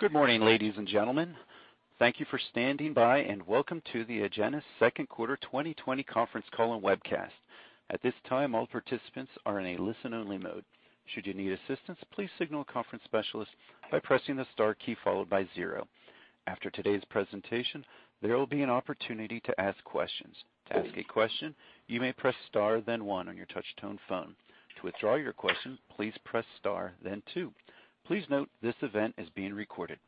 Good morning, ladies and gentlemen. Thank you for standing by, and welcome to the Agenus Second Quarter 2020 Conference Call and Webcast. At this time, all participants are in a listen-only mode. Should you need assistance, please signal a conference specialist by pressing the star key followed by zero. After today's presentation, there will be an opportunity to ask questions. To ask a question, you may press star, then one on your touch-tone phone. To withdraw your question, please press star, then two. Please note this event is being recorded.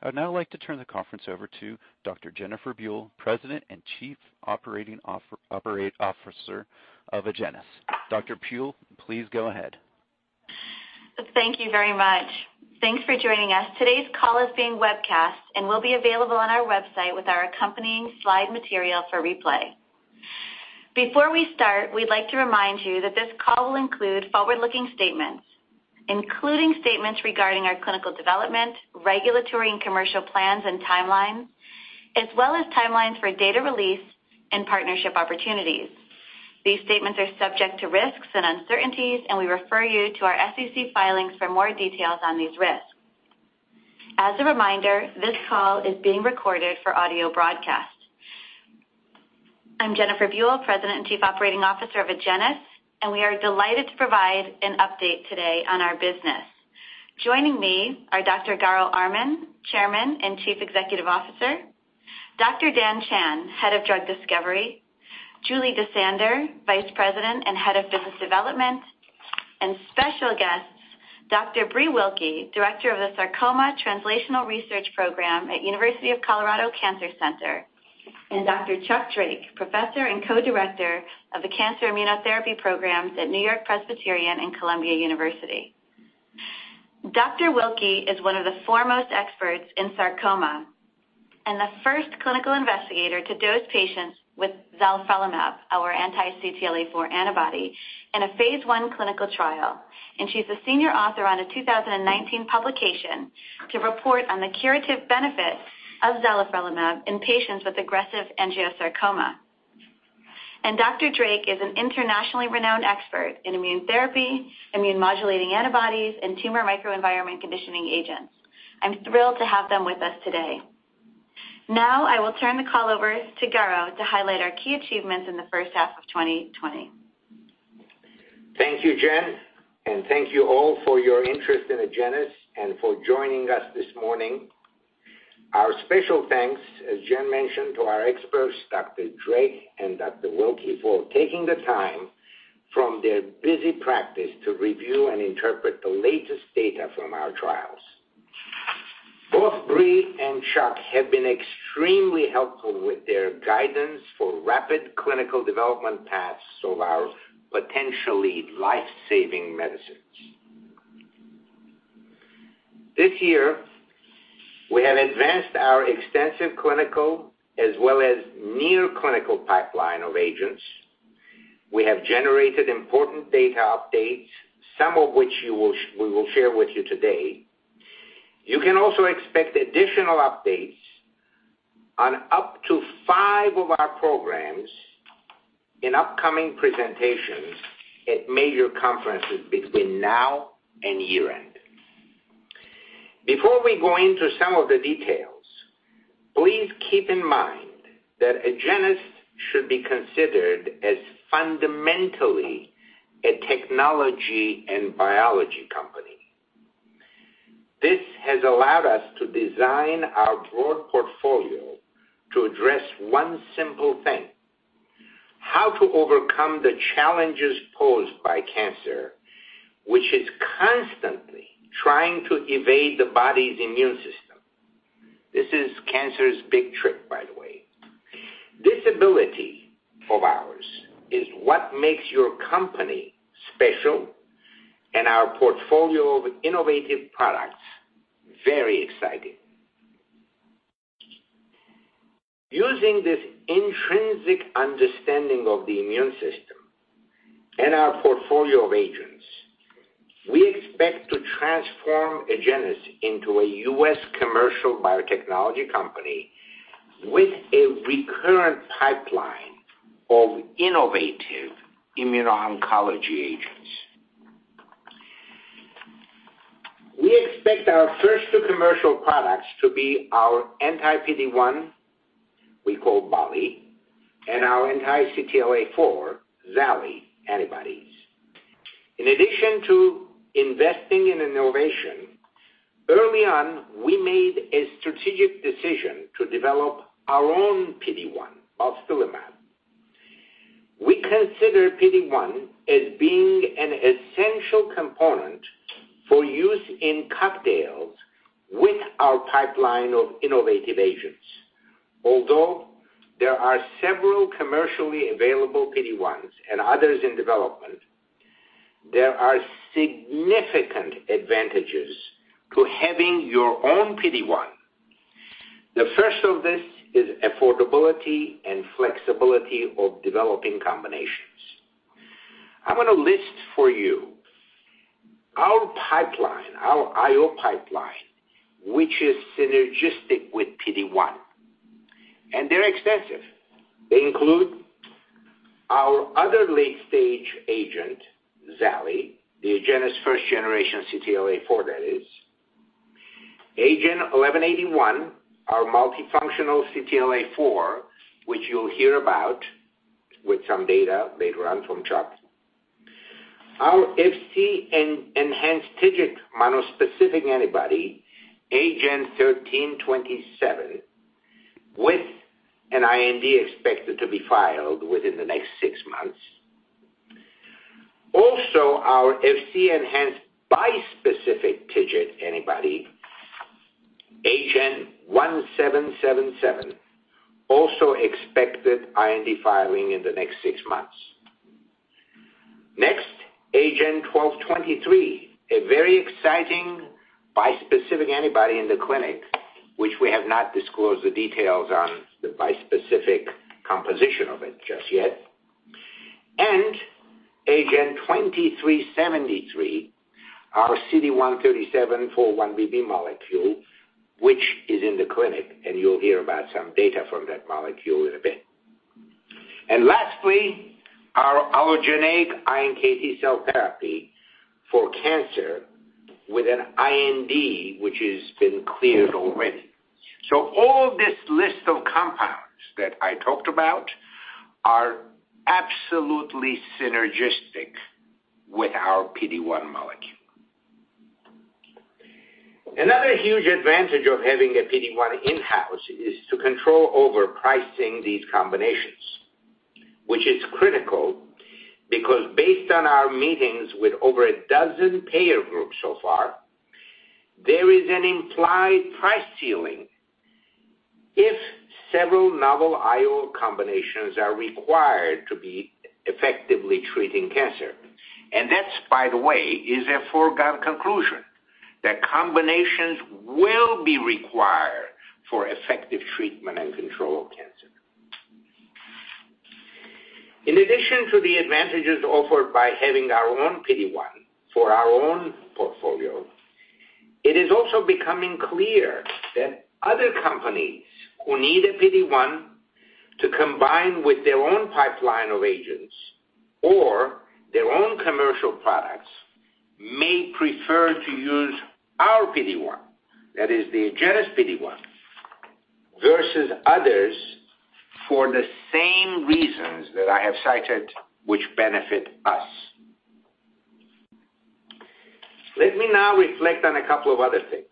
I would now like to turn the conference over to Dr. Jennifer Buell, President and Chief Operating Officer of Agenus. Dr. Buell, please go ahead. Thank you very much. Thanks for joining us. Today's call is being webcast and will be available on our website with our accompanying slide material for replay. Before we start, we'd like to remind you that this call will include forward-looking statements, including statements regarding our clinical development, regulatory and commercial plans and timelines, as well as timelines for data release and partnership opportunities. These statements are subject to risks and uncertainties. We refer you to our SEC filings for more details on these risks. As a reminder, this call is being recorded for audio broadcast. I'm Jennifer Buell, President and Chief Operating Officer of Agenus, and we are delighted to provide an update today on our business. Joining me are Dr. Garo Armen, Chairman and Chief Executive Officer, Dr. Dhan Chand, Head of Drug Discovery, Julie DeSander, Vice President and Head of Business Development, and special guests, Dr. Breelyn Wilky, Director of the Sarcoma Translational Research Program at University of Colorado Cancer Center, and Dr. Charles Drake, Professor and Co-director of the Cancer Immunotherapy Programs at NewYork-Presbyterian and Columbia University. Dr. Wilky is one of the foremost experts in sarcoma and the first clinical investigator to dose patients with zalifrelimab, our anti-CTLA-4 antibody, in a phase I clinical trial, and she's the senior author on a 2019 publication to report on the curative benefits of zalifrelimab in patients with aggressive angiosarcoma. Dr. Drake is an internationally renowned expert in immunotherapy, immune-modulating antibodies, and tumor microenvironment conditioning agents. I'm thrilled to have them with us today. Now, I will turn the call over to Garo to highlight our key achievements in the first half of 2020. Thank you, Jen, and thank you all for your interest in Agenus and for joining us this morning. Our special thanks, as Jen mentioned, to our experts, Dr. Drake and Dr. Wilky, for taking the time from their busy practice to review and interpret the latest data from our trials. Both Bree and Chuck have been extremely helpful with their guidance for rapid clinical development paths of our potentially life-saving medicines. This year, we have advanced our extensive clinical as well as near-clinical pipeline of agents. We have generated important data updates, some of which we will share with you today. You can also expect additional updates on up to five of our programs in upcoming presentations at major conferences between now and year-end. Before we go into some of the details, please keep in mind that Agenus should be considered as fundamentally a technology and biology company. This has allowed us to design our broad portfolio to address one simple thing, how to overcome the challenges posed by cancer, which is constantly trying to evade the body's immune system. This is cancer's big trick, by the way. This ability of ours is what makes your company special and our portfolio of innovative products very exciting. Using this intrinsic understanding of the immune system and our portfolio of agents, we expect to transform Agenus into a U.S. commercial biotechnology company with a recurrent pipeline of innovative immuno-oncology agents. We expect our first two commercial products to be our anti-PD-1, we call Bal, and our anti-CTLA-4, Zal antibodies. In addition to investing in innovation, early on, we made a strategic decision to develop our own PD-1, balstilimab. We consider PD-1 as being an essential component for use in cocktails with our pipeline of innovative agents. Although there are several commercially available PD-1s and others in development, there are significant advantages to having your own PD-1. The first of this is affordability and flexibility of developing combinations. I'm going to list for you our pipeline, our IO pipeline, which is synergistic with PD-1, and they're extensive. They include other late-stage agent, Zal, the Agenus first generation CTLA-4 that is. AGEN1181, our multifunctional CTLA-4, which you'll hear about with some data later on from Chuck. Our Fc enhanced TIGIT monospecific antibody, AGEN1327, with an IND expected to be filed within the next six months. Also, our Fc enhanced bispecific TIGIT antibody, AGEN1777, also expected IND filing in the next six months. Next, AGEN1223, a very exciting bispecific antibody in the clinic, which we have not disclosed the details on the bispecific composition of it just yet. AGEN2373, our CD137/4-1BB molecule, which is in the clinic, and you'll hear about some data from that molecule in a bit. Lastly, our allogeneic iNKT cell therapy for cancer with an IND, which has been cleared already. All this list of compounds that I talked about are absolutely synergistic with our PD-1 molecule. Another huge advantage of having a PD-1 in-house is to control over pricing these combinations, which is critical because based on our meetings with over a dozen payer groups so far, there is an implied price ceiling if several novel IO combinations are required to be effectively treating cancer. That, by the way, is a foregone conclusion, that combinations will be required for effective treatment and control of cancer. In addition to the advantages offered by having our own PD-1 for our own portfolio, it is also becoming clear that other companies who need a PD-1 to combine with their own pipeline of agents or their own commercial products may prefer to use our PD-1, that is, the Agenus PD-1, versus others for the same reasons that I have cited, which benefit us. Let me now reflect on a couple of other things.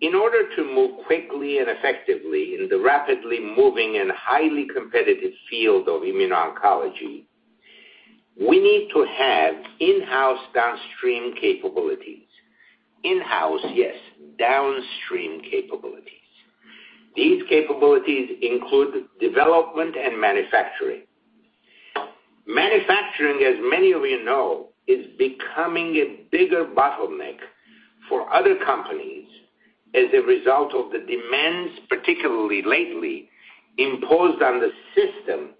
In order to move quickly and effectively in the rapidly moving and highly competitive field of immuno-oncology, we need to have in-house downstream capabilities. In-house, yes, downstream capabilities. These capabilities include development and manufacturing. Manufacturing, as many of you know, is becoming a bigger bottleneck for other companies as a result of the demands, particularly lately, imposed on the system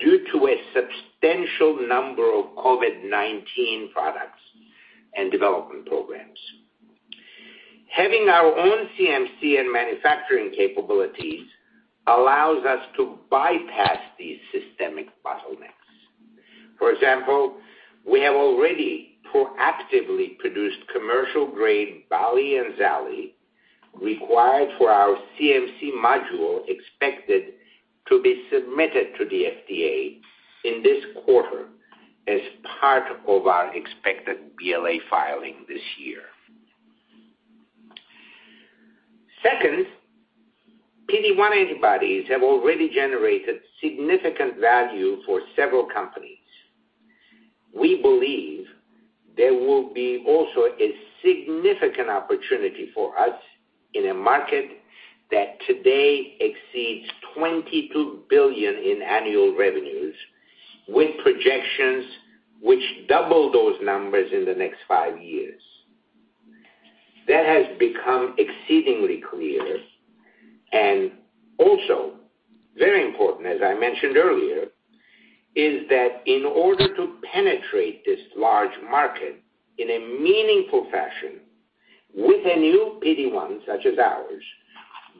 due to a substantial number of COVID-19 products and development programs. Having our own CMC and manufacturing capabilities allows us to bypass these systemic bottlenecks. For example, we have already proactively produced commercial-grade Bal and Zal required for our CMC module expected to be submitted to the FDA in this quarter as part of our expected BLA filing this year. PD-1 antibodies have already generated significant value for several companies. We believe there will be also a significant opportunity for us in a market that today exceeds $22 billion in annual revenues, with projections which double those numbers in the next five years. That has become exceedingly clear, and also very important, as I mentioned earlier, is that in order to penetrate this large market in a meaningful fashion with a new PD-1 such as ours,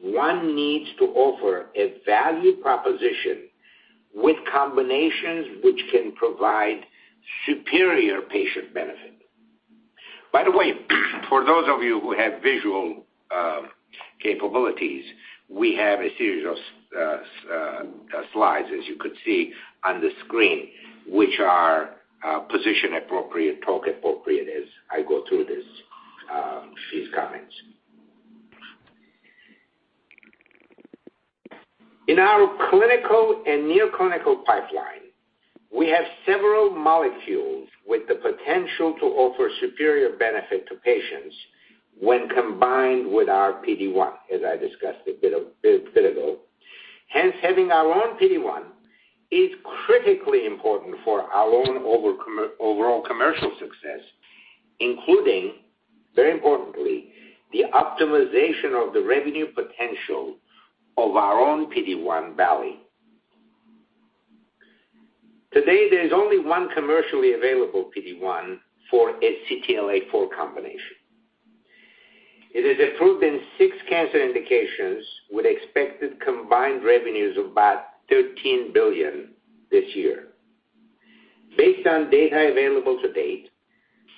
one needs to offer a value proposition with combinations which can provide superior patient benefit. By the way, for those of you who have visual capabilities, we have a series of slides as you could see on the screen, which are position appropriate, talk appropriate as I go through these comments. In our clinical and near clinical pipeline, we have several molecules with the potential to offer superior benefit to patients when combined with our PD-1, as I discussed a bit ago. Hence, having our own PD-1 is critically important for our own overall commercial success, including, very importantly, the optimization of the revenue potential of our own PD-1 Bal. Today, there is only one commercially available PD-1 for a CTLA-4 combination. It is approved in six cancer indications with expected combined revenues of about $13 billion this year. Based on data available to date,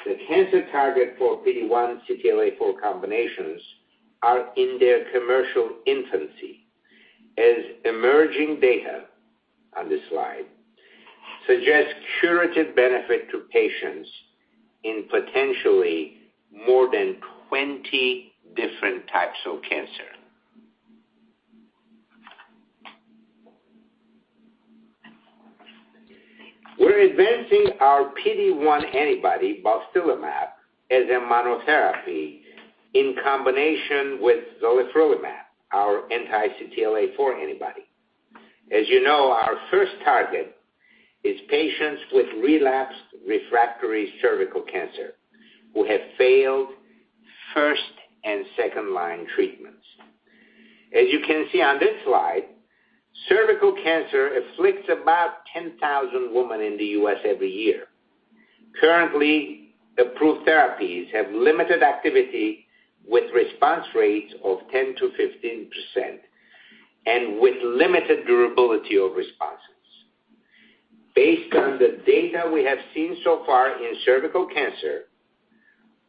the cancer target for PD-1/CTLA-4 combinations are in their commercial infancy, as emerging data on this slide suggests curative benefit to patients in potentially more than 20 different types of cancer. We're advancing our PD-1 antibody, balstilimab, as a monotherapy in combination with zalifrelimab, our anti-CTLA-4 antibody. As you know, our first target is patients with relapsed refractory cervical cancer who have failed first and second-line treatments. As you can see on this slide, cervical cancer afflicts about 10,000 women in the U.S. every year. Currently, approved therapies have limited activity with response rates of 10%-15%, and with limited durability of responses. Based on the data we have seen so far in cervical cancer,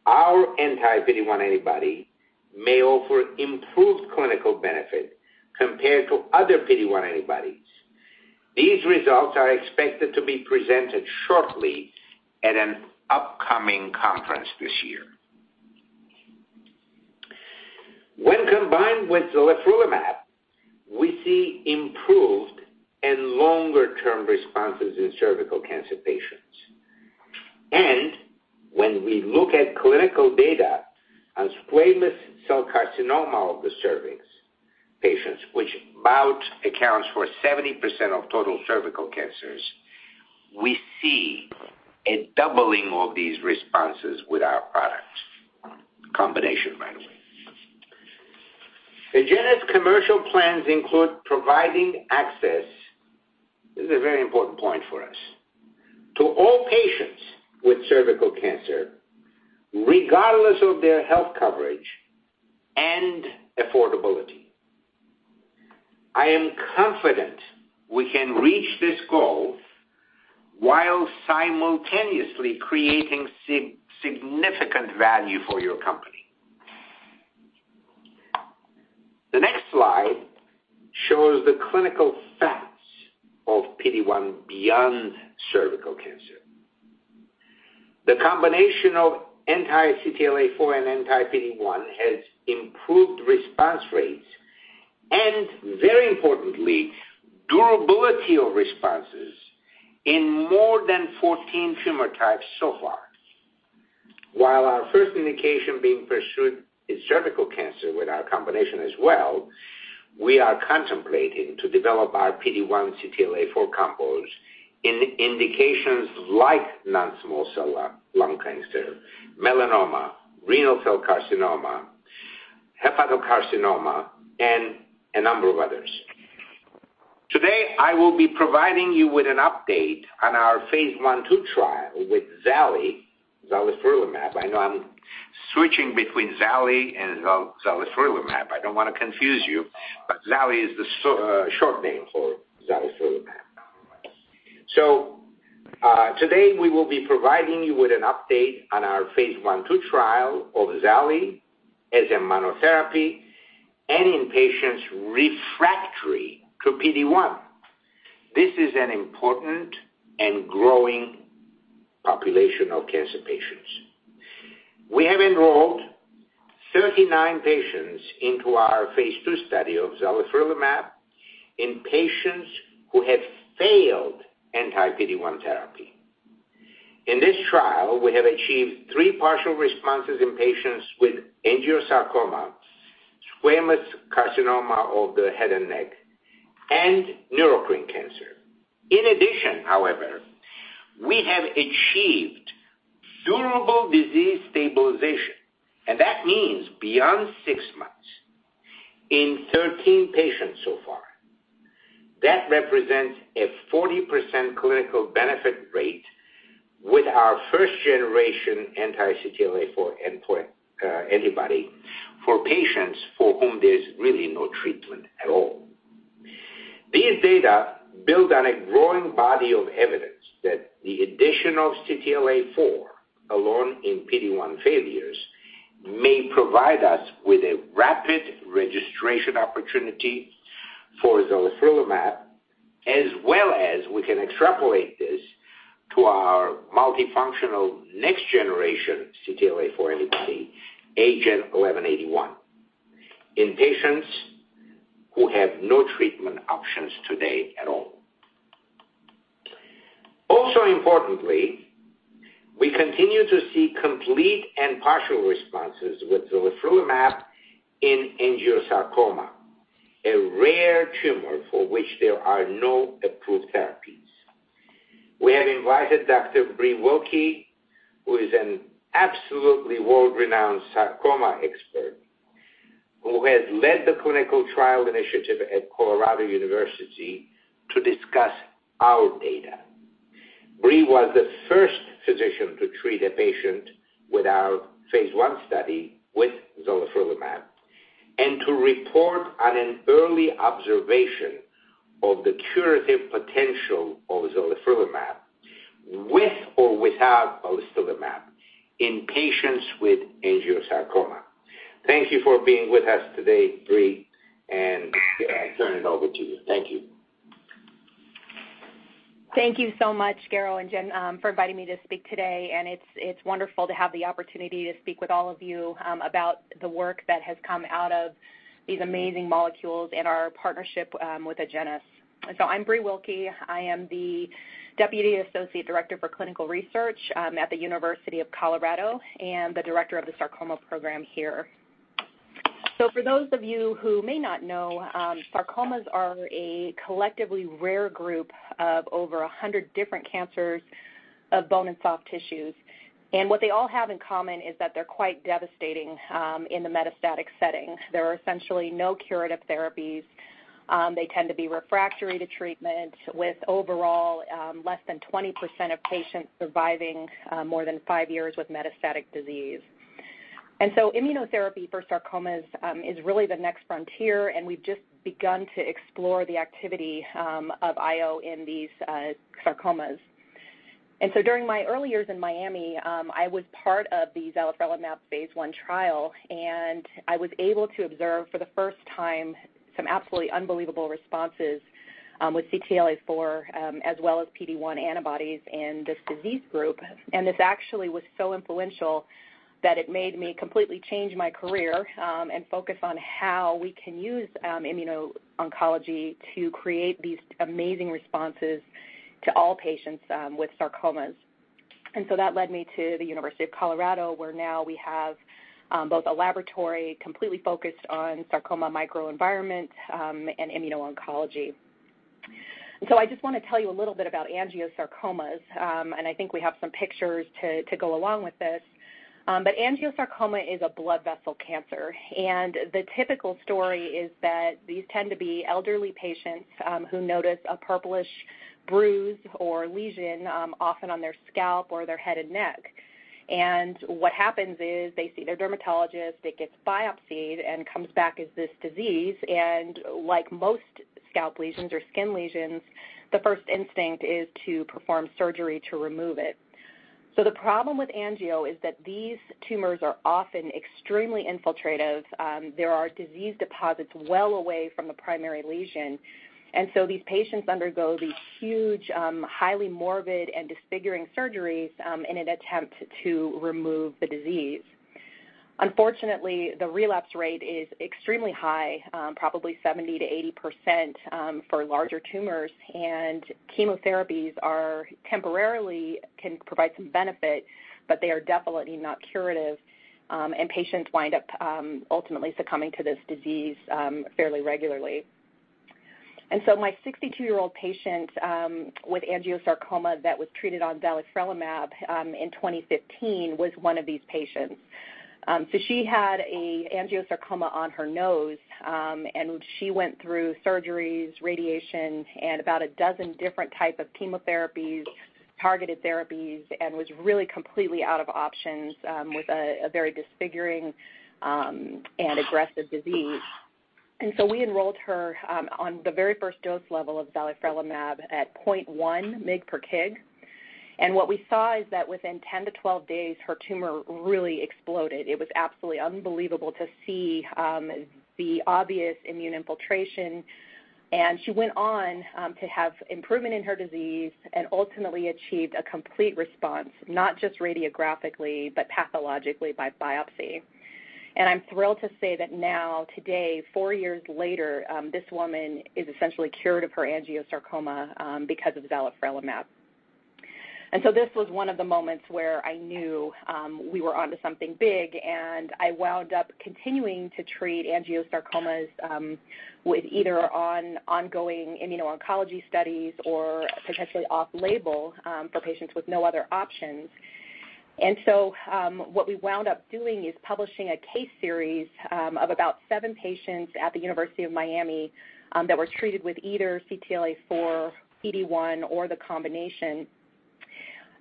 our anti-PD-1 antibody may offer improved clinical benefit compared to other PD-1 antibodies. These results are expected to be presented shortly at an upcoming conference this year. When combined with zalifrelimab, we see improved and longer-term responses in cervical cancer patients. When we look at clinical data on squamous cell carcinoma of the cervix patients, which about accounts for 70% of total cervical cancers, we see a doubling of these responses with our products. Combination, by the way. Agenus' commercial plans include providing access, this is a very important point for us, to all patients with cervical cancer, regardless of their health coverage and affordability. I am confident we can reach this goal while simultaneously creating significant value for your company. The next slide shows the clinical facts of PD-1 beyond cervical cancer. The combination of anti-CTLA-4 and anti-PD-1 has improved response rates and, very importantly, durability of responses in more than 14 tumor types so far. Our first indication being pursued is cervical cancer with our combination as well, we are contemplating to develop our PD-1/CTLA-4 combos in indications like non-small cell lung cancer, melanoma, renal cell carcinoma, hepatocarcinoma, and a number of others. Today, I will be providing you with an update on our phase I/II trial with zali, zalifrelimab. I know I'm switching between zali and zalifrelimab. I don't want to confuse you, zali is the short name for zalifrelimab. Today, we will be providing you with an update on our phase I/II trial of zali as a monotherapy and in patients refractory to PD-1. This is an important and growing population of cancer patients. We have enrolled 39 patients into our phase II study of zalifrelimab in patients who have failed anti-PD-1 therapy. In this trial, we have achieved three partial responses in patients with angiosarcoma, squamous carcinoma of the head and neck, and neuroendocrine cancer. In addition, however, we have achieved durable disease stabilization, and that means beyond six months, in 13 patients so far. That represents a 40% clinical benefit rate with our first-generation anti-CTLA-4 antibody for patients for whom there's really no treatment at all. These data build on a growing body of evidence that the addition of CTLA-4 alone in PD-1 failures may provide us with a rapid registration opportunity for zalifrelimab, as well as we can extrapolate this to our multifunctional next generation CTLA-4 antibody, AGEN1181, in patients who have no treatment options today at all. Also importantly, we continue to see complete and partial responses with zalifrelimab in angiosarcoma, a rare tumor for which there are no approved therapies. We have invited Dr. Breelyn Wilky, who is an absolutely world-renowned sarcoma expert, who has led the clinical trial initiative at the University of Colorado, to discuss our data. Breelyn was the first physician to treat a patient with our phase I study with zalifrelimab and to report on an early observation of the curative potential of zalifrelimab with or without avelumab in patients with angiosarcoma. Thank you for being with us today, Breelyn, I turn it over to you. Thank you. Thank you so much, Garo and Jen, for inviting me to speak today. It's wonderful to have the opportunity to speak with all of you about the work that has come out of these amazing molecules and our partnership with Agenus. I'm Breelyn Wilky. I am the Deputy Associate Director for Clinical Research at the University of Colorado and the Director of the Sarcoma Program here. For those of you who may not know, sarcomas are a collectively rare group of over 100 different cancers of bone and soft tissues. What they all have in common is that they're quite devastating in the metastatic setting. There are essentially no curative therapies. They tend to be refractory to treatment with overall less than 20% of patients surviving more than five years with metastatic disease. Immunotherapy for sarcomas is really the next frontier, and we've just begun to explore the activity of IO in these sarcomas. During my early years in Miami, I was part of the zalifrelimab phase I trial, and I was able to observe for the first time some absolutely unbelievable responses with CTLA-4 as well as PD-1 antibodies in this disease group. This actually was so influential that it made me completely change my career and focus on how we can use immuno-oncology to create these amazing responses to all patients with sarcomas. That led me to the University of Colorado, where now we have both a laboratory completely focused on sarcoma microenvironment and immuno-oncology. I just want to tell you a little bit about angiosarcomas, and I think we have some pictures to go along with this. Angiosarcoma is a blood vessel cancer, and the typical story is that these tend to be elderly patients who notice a purplish bruise or lesion, often on their scalp or their head and neck. What happens is they see their dermatologist, it gets biopsied and comes back as this disease. Like most scalp lesions or skin lesions, the first instinct is to perform surgery to remove it. The problem with angio is that these tumors are often extremely infiltrative. There are disease deposits well away from the primary lesion. These patients undergo these huge, highly morbid, and disfiguring surgeries in an attempt to remove the disease. Unfortunately, the relapse rate is extremely high, probably 70%-80% for larger tumors. Chemotherapies temporarily can provide some benefit, but they are definitely not curative. Patients wind up ultimately succumbing to this disease fairly regularly. My 62-year-old patient with angiosarcoma that was treated on zalifrelimab in 2015 was one of these patients. She had angiosarcoma on her nose, and she went through surgeries, radiation, and about a dozen different type of chemotherapies, targeted therapies, and was really completely out of options with a very disfiguring and aggressive disease. We enrolled her on the very 1st dose level of zalifrelimab at 0.1 mg per kg, and what we saw is that within 10 to 12 days, her tumor really exploded. It was absolutely unbelievable to see the obvious immune infiltration. She went on to have improvement in her disease and ultimately achieved a complete response, not just radiographically, but pathologically by biopsy. I'm thrilled to say that now, today, four years later, this woman is essentially cured of her angiosarcoma because of zalifrelimab. This was one of the moments where I knew we were onto something big, and I wound up continuing to treat angiosarcomas with either on ongoing immuno-oncology studies or potentially off-label for patients with no other options. What we wound up doing is publishing a case series of about seven patients at the University of Miami that were treated with either CTLA-4, PD-1, or the combination.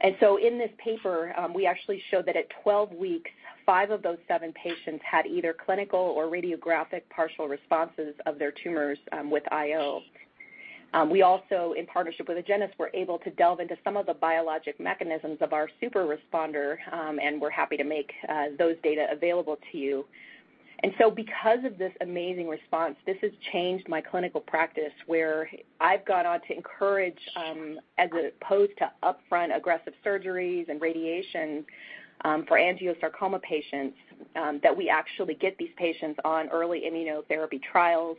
In this paper, we actually showed that at 12 weeks, five of those seven patients had either clinical or radiographic partial responses of their tumors with IO. We also, in partnership with Agenus, were able to delve into some of the biologic mechanisms of our super responder and we're happy to make those data available to you. Because of this amazing response, this has changed my clinical practice where I've gone on to encourage as opposed to upfront aggressive surgeries and radiation for angiosarcoma patients, that we actually get these patients on early immunotherapy trials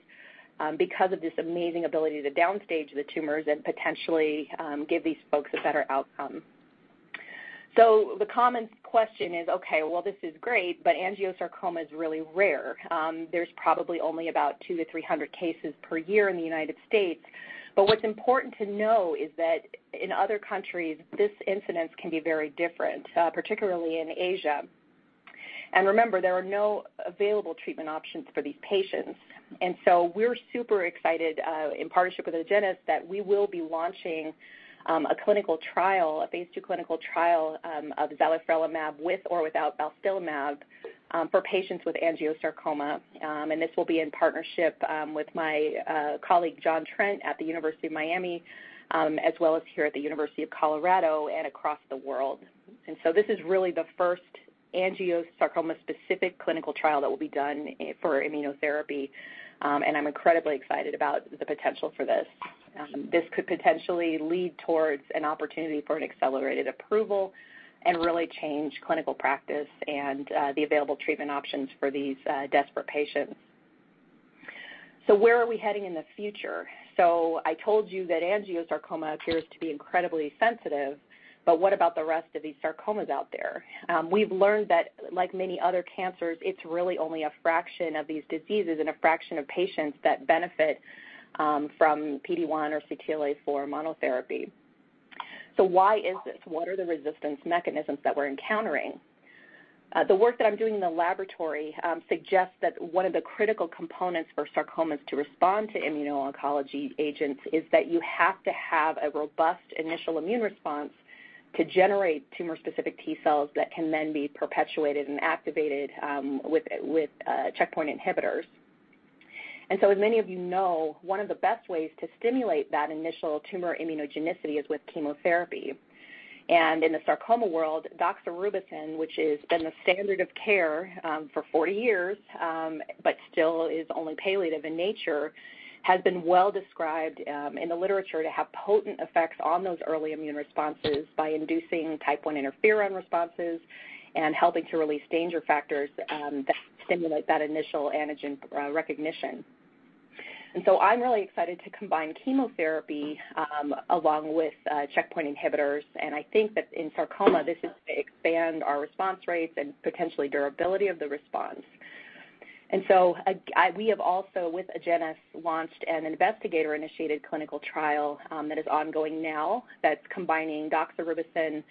because of this amazing ability to downstage the tumors and potentially give these folks a better outcome. The common question is, "Okay, well, this is great, but angiosarcoma is really rare." There's probably only about 200-300 cases per year in the U.S. What's important to know is that in other countries, this incidence can be very different, particularly in Asia. Remember, there are no available treatment options for these patients. We're super excited, in partnership with Agenus, that we will be launching a phase II clinical trial of zalifrelimab with or without balstilimab for patients with angiosarcoma. This will be in partnership with my colleague, Jonathan Trent, at the University of Miami, as well as here at the University of Colorado and across the world. This is really the first angiosarcoma-specific clinical trial that will be done for immunotherapy, and I'm incredibly excited about the potential for this. This could potentially lead towards an opportunity for an accelerated approval and really change clinical practice and the available treatment options for these desperate patients. Where are we heading in the future? I told you that angiosarcoma appears to be incredibly sensitive, but what about the rest of these sarcomas out there? We've learned that, like many other cancers, it's really only a fraction of these diseases and a fraction of patients that benefit from PD-1 or CTLA-4 monotherapy. Why is this? What are the resistance mechanisms that we're encountering? The work that I'm doing in the laboratory suggests that one of the critical components for sarcomas to respond to immuno-oncology agents is that you have to have a robust initial immune response to generate tumor-specific T cells that can then be perpetuated and activated with checkpoint inhibitors. As many of you know, one of the best ways to stimulate that initial tumor immunogenicity is with chemotherapy. In the sarcoma world, doxorubicin, which has been the standard of care for 40 years but still is only palliative in nature, has been well described in the literature to have potent effects on those early immune responses by inducing type 1 interferon responses and helping to release danger factors that stimulate that initial antigen recognition. I'm really excited to combine chemotherapy along with checkpoint inhibitors, and I think that in sarcoma this is to expand our response rates and potentially durability of the response. We have also, with Agenus, launched an investigator-initiated clinical trial that is ongoing now that's combining doxorubicin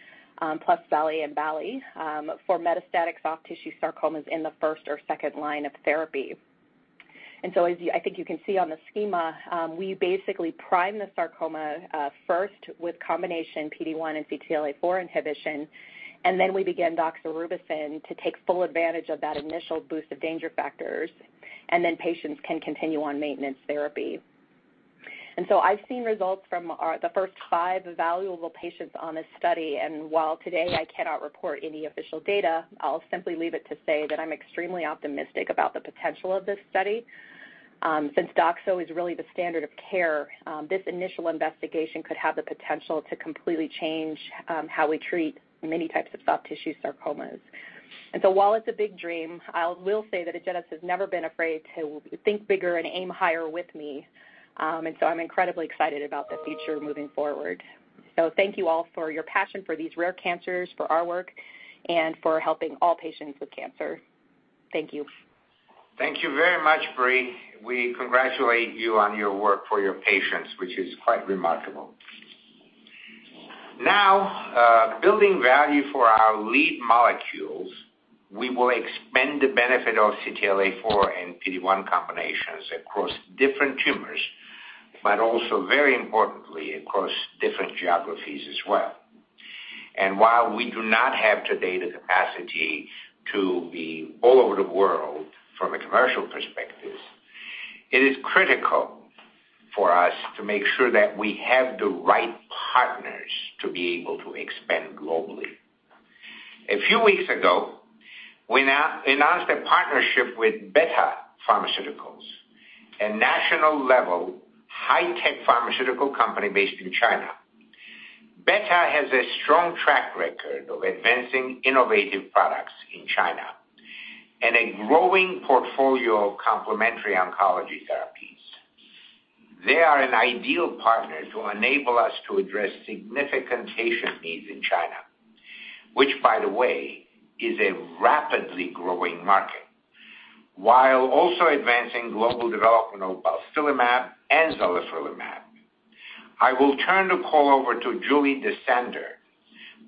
plus balstilimab and zalifrelimab for metastatic soft tissue sarcomas in the first or second line of therapy. As I think you can see on the schema, we basically prime the sarcoma first with combination PD-1 and CTLA-4 inhibition, and then we begin doxorubicin to take full advantage of that initial boost of danger factors, and then patients can continue on maintenance therapy. I've seen results from the first five evaluable patients on this study. While today I cannot report any official data, I'll simply leave it to say that I'm extremely optimistic about the potential of this study. Since doxo is really the standard of care, this initial investigation could have the potential to completely change how we treat many types of soft tissue sarcomas. While it's a big dream, I will say that Agenus has never been afraid to think bigger and aim higher with me. I'm incredibly excited about the future moving forward. Thank you all for your passion for these rare cancers, for our work, and for helping all patients with cancer. Thank you. Thank you very much, Bree. We congratulate you on your work for your patients, which is quite remarkable. Building value for our lead molecules, we will expand the benefit of CTLA-4 and PD-1 combinations across different tumors, but also, very importantly, across different geographies as well. While we do not have today the capacity to be all over the world from a commercial perspective, it is critical for us to make sure that we have the right partners to be able to expand globally. A few weeks ago, we announced a partnership with Betta Pharmaceuticals, a national-level high-tech pharmaceutical company based in China. Betta has a strong track record of advancing innovative products in China and a growing portfolio of complementary oncology therapies. They are an ideal partner to enable us to address significant patient needs in China, which, by the way, is a rapidly growing market, while also advancing global development of balstilimab and zalifrelimab. I will turn the call over to Julie DeSander,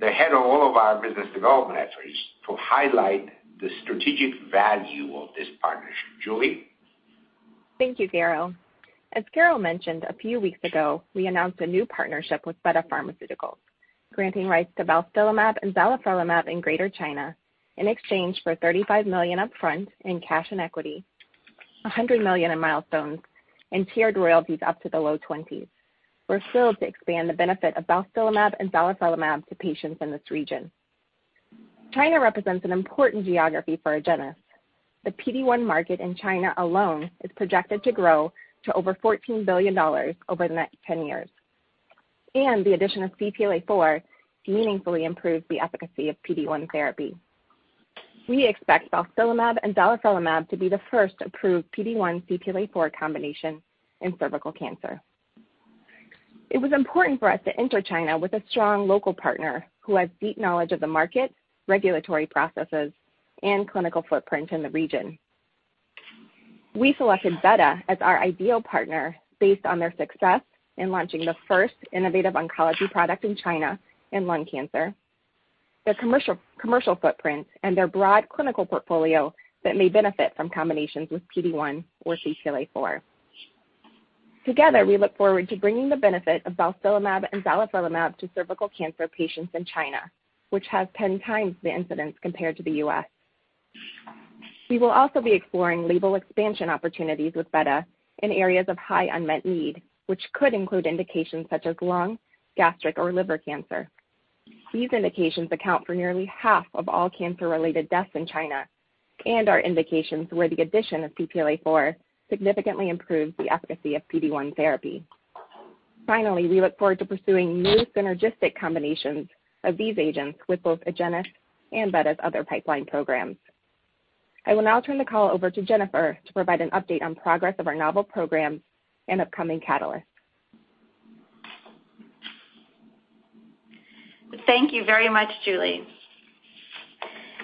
the head of all of our business development efforts, to highlight the strategic value of this partnership. Julie? Thank you, Garo. As Garo mentioned, a few weeks ago, we announced a new partnership with Betta Pharmaceuticals, granting rights to balstilimab and zalifrelimab in Greater China in exchange for $35 million up front in cash and equity, $100 million in milestones, and tiered royalties up to the low twenties. We're thrilled to expand the benefit of balstilimab and zalifrelimab to patients in this region. China represents an important geography for Agenus. The PD-1 market in China alone is projected to grow to over $14 billion over the next 10 years. The addition of CTLA-4 meaningfully improves the efficacy of PD-1 therapy. We expect balstilimab and zalifrelimab to be the first approved PD-1 CTLA-4 combination in cervical cancer. It was important for us to enter China with a strong local partner who has deep knowledge of the market, regulatory processes, and clinical footprint in the region. We selected BeiGene as our ideal partner based on their success in launching the first innovative oncology product in China in lung cancer, their commercial footprint, and their broad clinical portfolio that may benefit from combinations with PD-1 or CTLA-4. Together, we look forward to bringing the benefit of balstilimab and zalifrelimab to cervical cancer patients in China, which has 10 times the incidence compared to the U.S. We will also be exploring label expansion opportunities with BeiGene in areas of high unmet need, which could include indications such as lung, gastric, or liver cancer. These indications account for nearly half of all cancer-related deaths in China and are indications where the addition of CTLA-4 significantly improves the efficacy of PD-1 therapy. Finally, we look forward to pursuing new synergistic combinations of these agents with both Agenus and BeiGene's other pipeline programs. I will now turn the call over to Jennifer to provide an update on progress of our novel programs and upcoming catalysts. Thank you very much, Julie.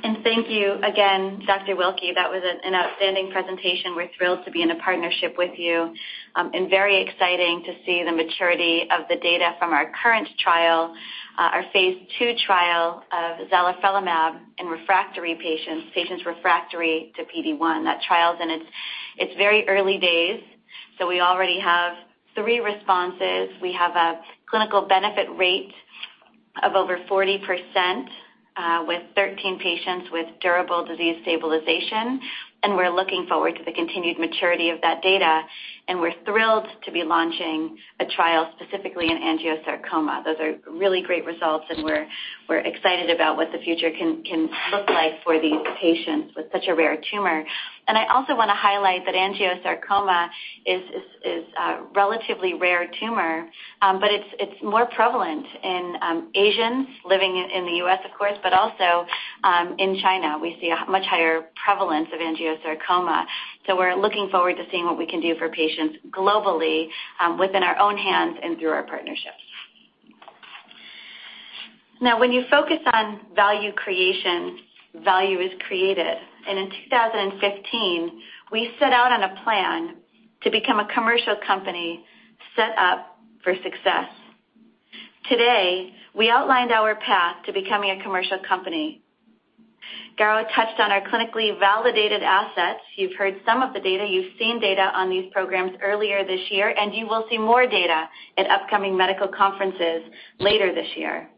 Thank you again, Dr. Wilky. That was an outstanding presentation. We're thrilled to be in a partnership with you, very exciting to see the maturity of the data from our current trial, our phase II trial of zalifrelimab in patients refractory to PD-1. That trial is in its very early days. We already have three responses. We have a clinical benefit rate of over 40% with 13 patients with durable disease stabilization, we're looking forward to the continued maturity of that data, we're thrilled to be launching a trial specifically in angiosarcoma. Those are really great results, we're excited about what the future can look like for these patients with such a rare tumor. I also want to highlight that angiosarcoma is a relatively rare tumor, but it's more prevalent in Asians living in the U.S., of course, but also in China. We see a much higher prevalence of angiosarcoma. We're looking forward to seeing what we can do for patients globally within our own hands and through our partnerships. When you focus on value creation, value is created, and in 2015, we set out on a plan to become a commercial company set up for success. Today, we outlined our path to becoming a commercial company. Garo touched on our clinically validated assets. You've heard some of the data. You've seen data on these programs earlier this year, and you will see more data at upcoming medical conferences later this year.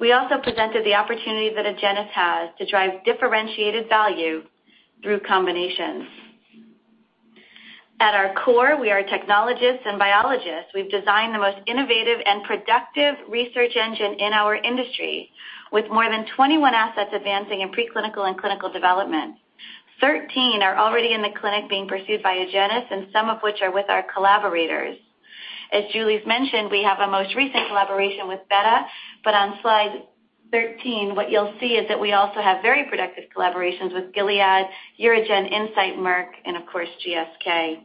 We also presented the opportunity that Agenus has to drive differentiated value through combinations. At our core, we are technologists and biologists. We've designed the most innovative and productive research engine in our industry. With more than 21 assets advancing in preclinical and clinical development. Thirteen are already in the clinic being pursued by Agenus, and some of which are with our collaborators. As Julie's mentioned, we have a most recent collaboration with BeiGene. On slide 13, what you'll see is that we also have very productive collaborations with Gilead, UroGen, Incyte, Merck, and of course, GSK.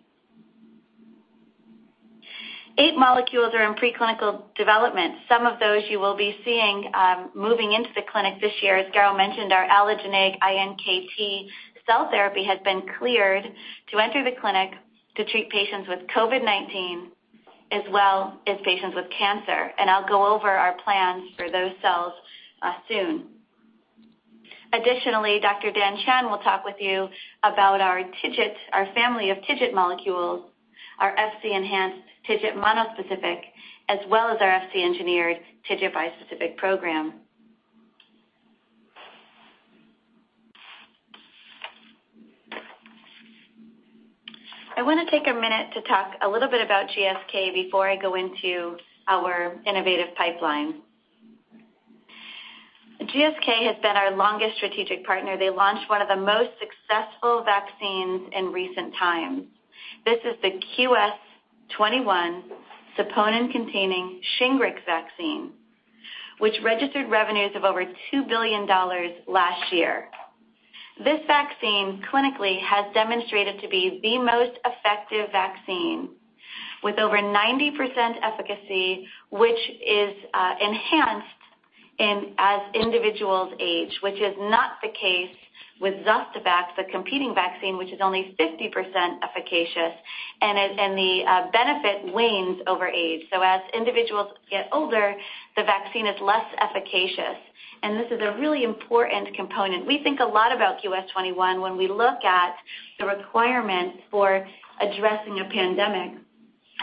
Eight molecules are in preclinical development. Some of those you will be seeing moving into the clinic this year. As Garo mentioned, our allogeneic iNKT cell therapy has been cleared to enter the clinic to treat patients with COVID-19 as well as patients with cancer. I'll go over our plans for those cells soon. Additionally, Dr. Dhan Chand will talk with you about our TIGIT, our family of TIGIT molecules, our Fc enhanced TIGIT monospecific, as well as our Fc engineered TIGIT bispecific program. I want to take a minute to talk a little bit about GSK before I go into our innovative pipeline. GSK has been our longest strategic partner. They launched one of the most successful vaccines in recent times. This is the QS-21 saponin-containing SHINGRIX vaccine, which registered revenues of over $2 billion last year. This vaccine clinically has demonstrated to be the most effective vaccine with over 90% efficacy, which is enhanced as individuals age, which is not the case with Zostavax, the competing vaccine, which is only 50% efficacious, and the benefit wanes over age. As individuals get older, the vaccine is less efficacious, and this is a really important component. We think a lot about QS-21 when we look at the requirements for addressing a pandemic,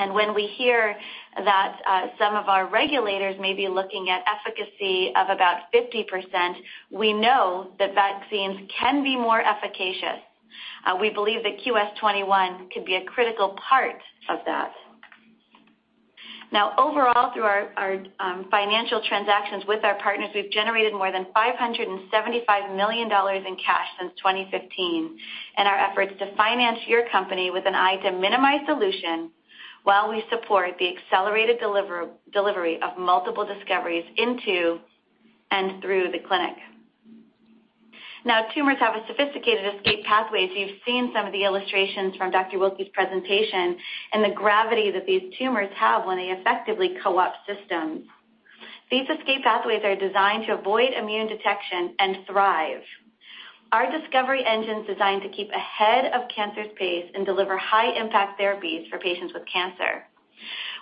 when we hear that some of our regulators may be looking at efficacy of about 50%, we know that vaccines can be more efficacious. We believe that QS-21 could be a critical part of that. Now, overall, through our financial transactions with our partners, we've generated more than $575 million in cash since 2015 in our efforts to finance your company with an eye to minimize dilution while we support the accelerated delivery of multiple discoveries into and through the clinic. Now, tumors have sophisticated escape pathways. You've seen some of the illustrations from Dr. Wilky's presentation and the gravity that these tumors have when they effectively co-opt systems. These escape pathways are designed to avoid immune detection and thrive. Our discovery engine's designed to keep ahead of cancer's pace and deliver high-impact therapies for patients with cancer.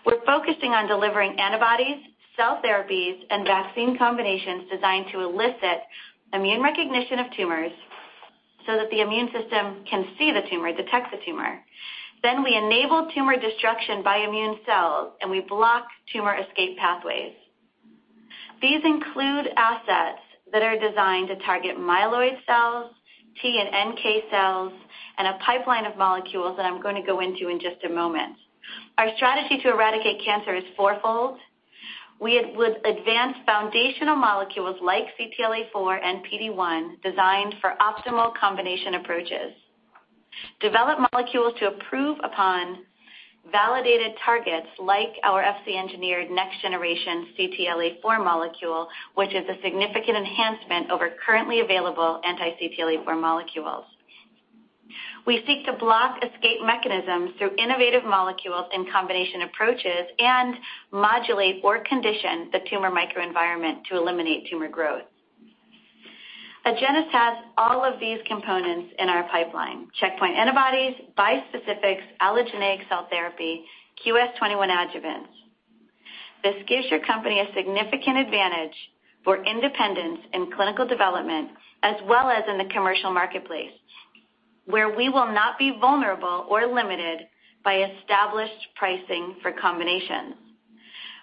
We're focusing on delivering antibodies, cell therapies, and vaccine combinations designed to elicit immune recognition of tumors so that the immune system can see the tumor, detect the tumor. We enable tumor destruction by immune cells, and we block tumor escape pathways. These include assets that are designed to target myeloid cells, T and NK cells, and a pipeline of molecules that I'm going to go into in just a moment. Our strategy to eradicate cancer is fourfold. We would advance foundational molecules like CTLA-4 and PD-1, designed for optimal combination approaches, develop molecules to improve upon validated targets like our Fc engineered next generation CTLA-4 molecule, which is a significant enhancement over currently available anti-CTLA-4 molecules. We seek to block escape mechanisms through innovative molecules and combination approaches, and modulate or condition the tumor microenvironment to eliminate tumor growth. Agenus has all of these components in our pipeline, checkpoint antibodies, bispecifics, allogeneic cell therapy, QS-21 adjuvants. This gives your company a significant advantage for independence in clinical development as well as in the commercial marketplace, where we will not be vulnerable or limited by established pricing for combinations.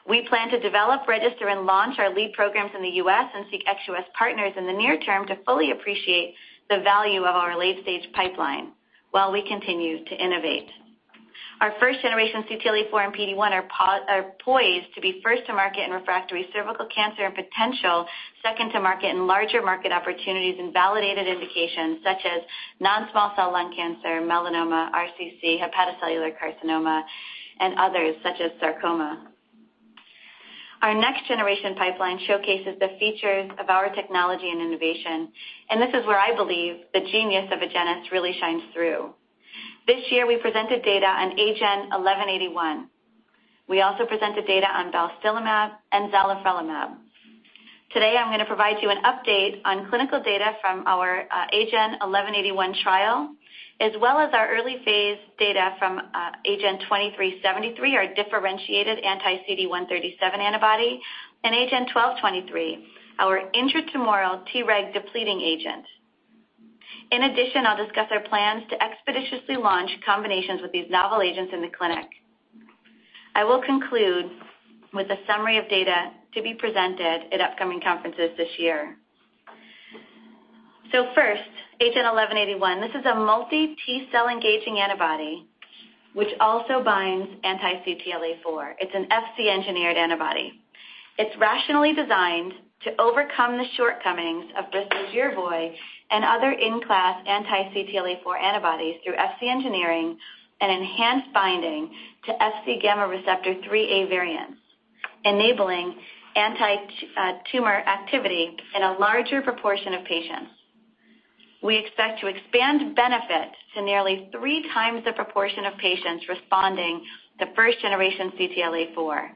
We plan to develop, register, and launch our lead programs in the U.S. and seek ex-U.S. partners in the near term to fully appreciate the value of our late-stage pipeline, while we continue to innovate. Our first-generation CTLA-4 and PD-1 are poised to be first to market in refractory cervical cancer and potential second to market in larger market opportunities and validated indications such as non-small cell lung cancer, melanoma, RCC, hepatocellular carcinoma, and others such as sarcoma. Our next-generation pipeline showcases the features of our technology and innovation, and this is where I believe the genius of Agenus really shines through. This year we presented data on AGEN1181. We also presented data on balstilimab and zalifrelimab. Today, I'm going to provide you an update on clinical data from our AGEN1181 trial, as well as our early phase data from AGEN2373, our differentiated anti-CD137 antibody, and AGEN1223, our intratumoral Treg depleting agent. In addition, I'll discuss our plans to expeditiously launch combinations with these novel agents in the clinic. I will conclude with a summary of data to be presented at upcoming conferences this year. First, AGEN1181. This is a multi T-cell engaging antibody which also binds anti-CTLA-4. It's an Fc engineered antibody. It's rationally designed to overcome the shortcomings of Bristol's Yervoy and other in-class anti-CTLA-4 antibodies through Fc engineering and enhanced binding to Fc gamma receptor IIIa variants, enabling anti-tumor activity in a larger proportion of patients. We expect to expand benefit to nearly three times the proportion of patients responding to first generation CTLA-4.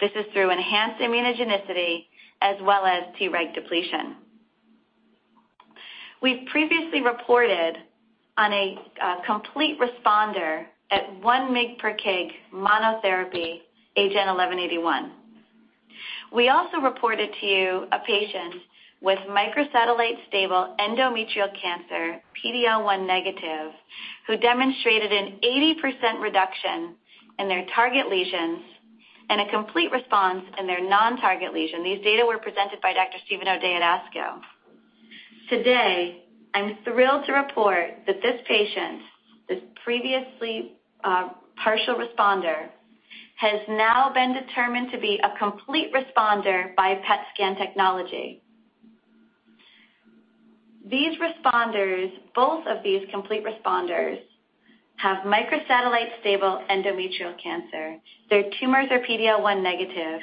This is through enhanced immunogenicity as well as Treg depletion. We've previously reported on a complete responder at one mg per kg monotherapy AGEN1181. We also reported to you a patient with microsatellite stable endometrial cancer, PD-L1 negative, who demonstrated an 80% reduction in their target lesions and a complete response in their non-target lesion. These data were presented by Dr. Steven O'Day at ASCO. Today, I'm thrilled to report that this patient, this previously partial responder, has now been determined to be a complete responder by PET scan technology. Both of these complete responders have microsatellite stable endometrial cancer. Their tumors are PD-L1 negative,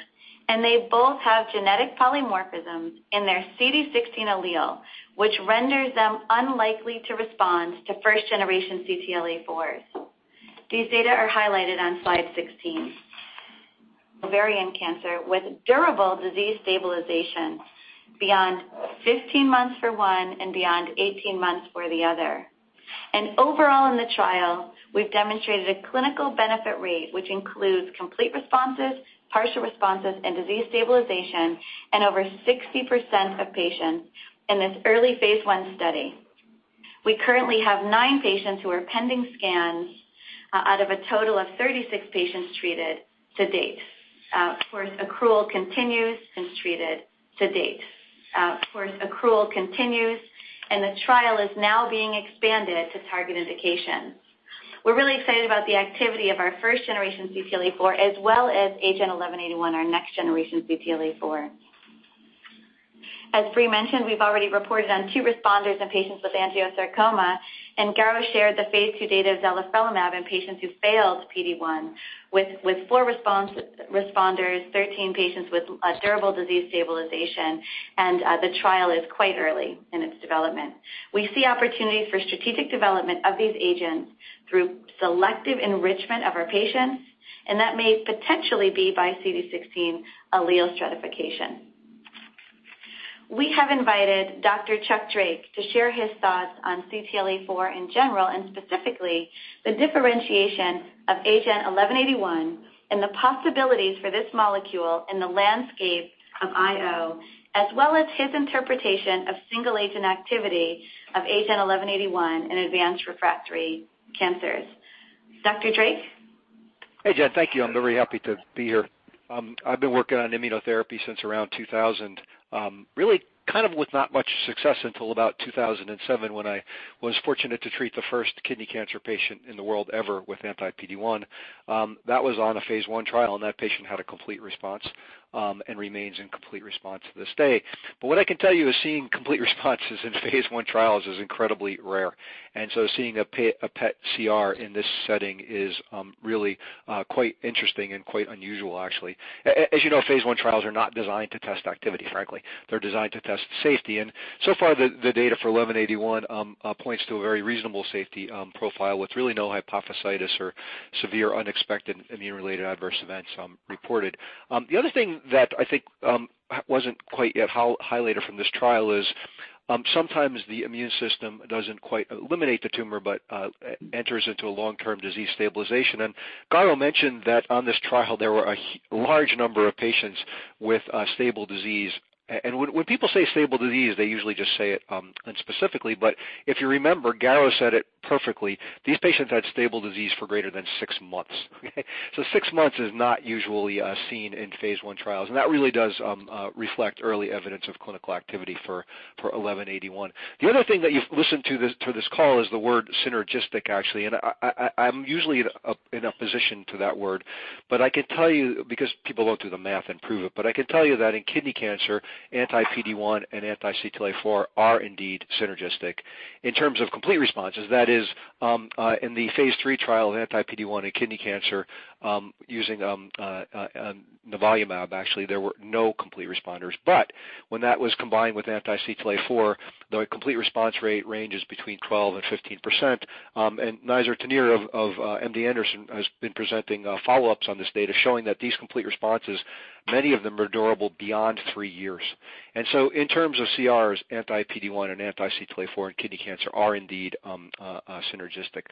and they both have genetic polymorphism in their CD16 allele, which renders them unlikely to respond to first generation CTLA-4s. These data are highlighted on slide 16. Ovarian cancer with durable disease stabilization beyond 15 months for one and beyond 18 months for the other. Overall in the trial, we've demonstrated a clinical benefit rate, which includes complete responses, partial responses, and disease stabilization in over 60% of patients in this early phase I study. We currently have nine patients who are pending scans out of a total of 36 patients treated to date. Of course, accrual continues, and the trial is now being expanded to target indication. We're really excited about the activity of our first generation CTLA-4 as well as AGEN1181, our next generation CTLA-4. As Breely mentioned, we've already reported on two responders in patients with angiosarcoma. Garo shared the phase II data of zalifrelimab in patients who failed PD-1 with four responders, 13 patients with durable disease stabilization. The trial is quite early in its development. We see opportunities for strategic development of these agents through selective enrichment of our patients, and that may potentially be by CD16 allele stratification. We have invited Dr. Chuck Drake to share his thoughts on CTLA-4 in general, specifically the differentiation of AGEN1181 and the possibilities for this molecule in the landscape of IO, as well as his interpretation of single-agent activity of AGEN1181 in advanced refractory cancers. Dr. Drake? Hey, Jen. Thank you. I'm very happy to be here. I've been working on immunotherapy since around 2000. Really with not much success until about 2007, when I was fortunate to treat the first kidney cancer patient in the world ever with anti-PD-1. That was on a phase I trial, and that patient had a complete response, and remains in complete response to this day. What I can tell you is seeing complete responses in phase I trials is incredibly rare. Seeing a PET CR in this setting is really quite interesting and quite unusual, actually. As you know, phase I trials are not designed to test activity, frankly. They're designed to test safety. So far, the data for AGEN1181 points to a very reasonable safety profile with really no hypophysitis or severe unexpected immune-related adverse events reported. The other thing that I think wasn't quite yet highlighted from this trial is sometimes the immune system doesn't quite eliminate the tumor, but enters into a long-term disease stabilization. Garo mentioned that on this trial, there were a large number of patients with stable disease. When people say stable disease, they usually just say it unspecifically. If you remember, Garo said it perfectly. These patients had stable disease for greater than six months. Okay. Six months is not usually seen in phase I trials. That really does reflect early evidence of clinical activity for AGEN1181. The other thing that you've listened to this call is the word synergistic, actually, and I'm usually in opposition to that word. I can tell you, because people don't do the math and prove it, but I can tell you that in kidney cancer, anti-PD-1 and anti-CTLA-4 are indeed synergistic. In terms of complete responses, that is, in the phase III trial of anti-PD-1 in kidney cancer, using nivolumab, actually, there were no complete responders. When that was combined with anti-CTLA-4, the complete response rate ranges between 12% and 15%. Nizar Tannir of MD Anderson has been presenting follow-ups on this data showing that these complete responses, many of them are durable beyond three years. In terms of CRs, anti-PD-1 and anti-CTLA-4 in kidney cancer are indeed synergistic.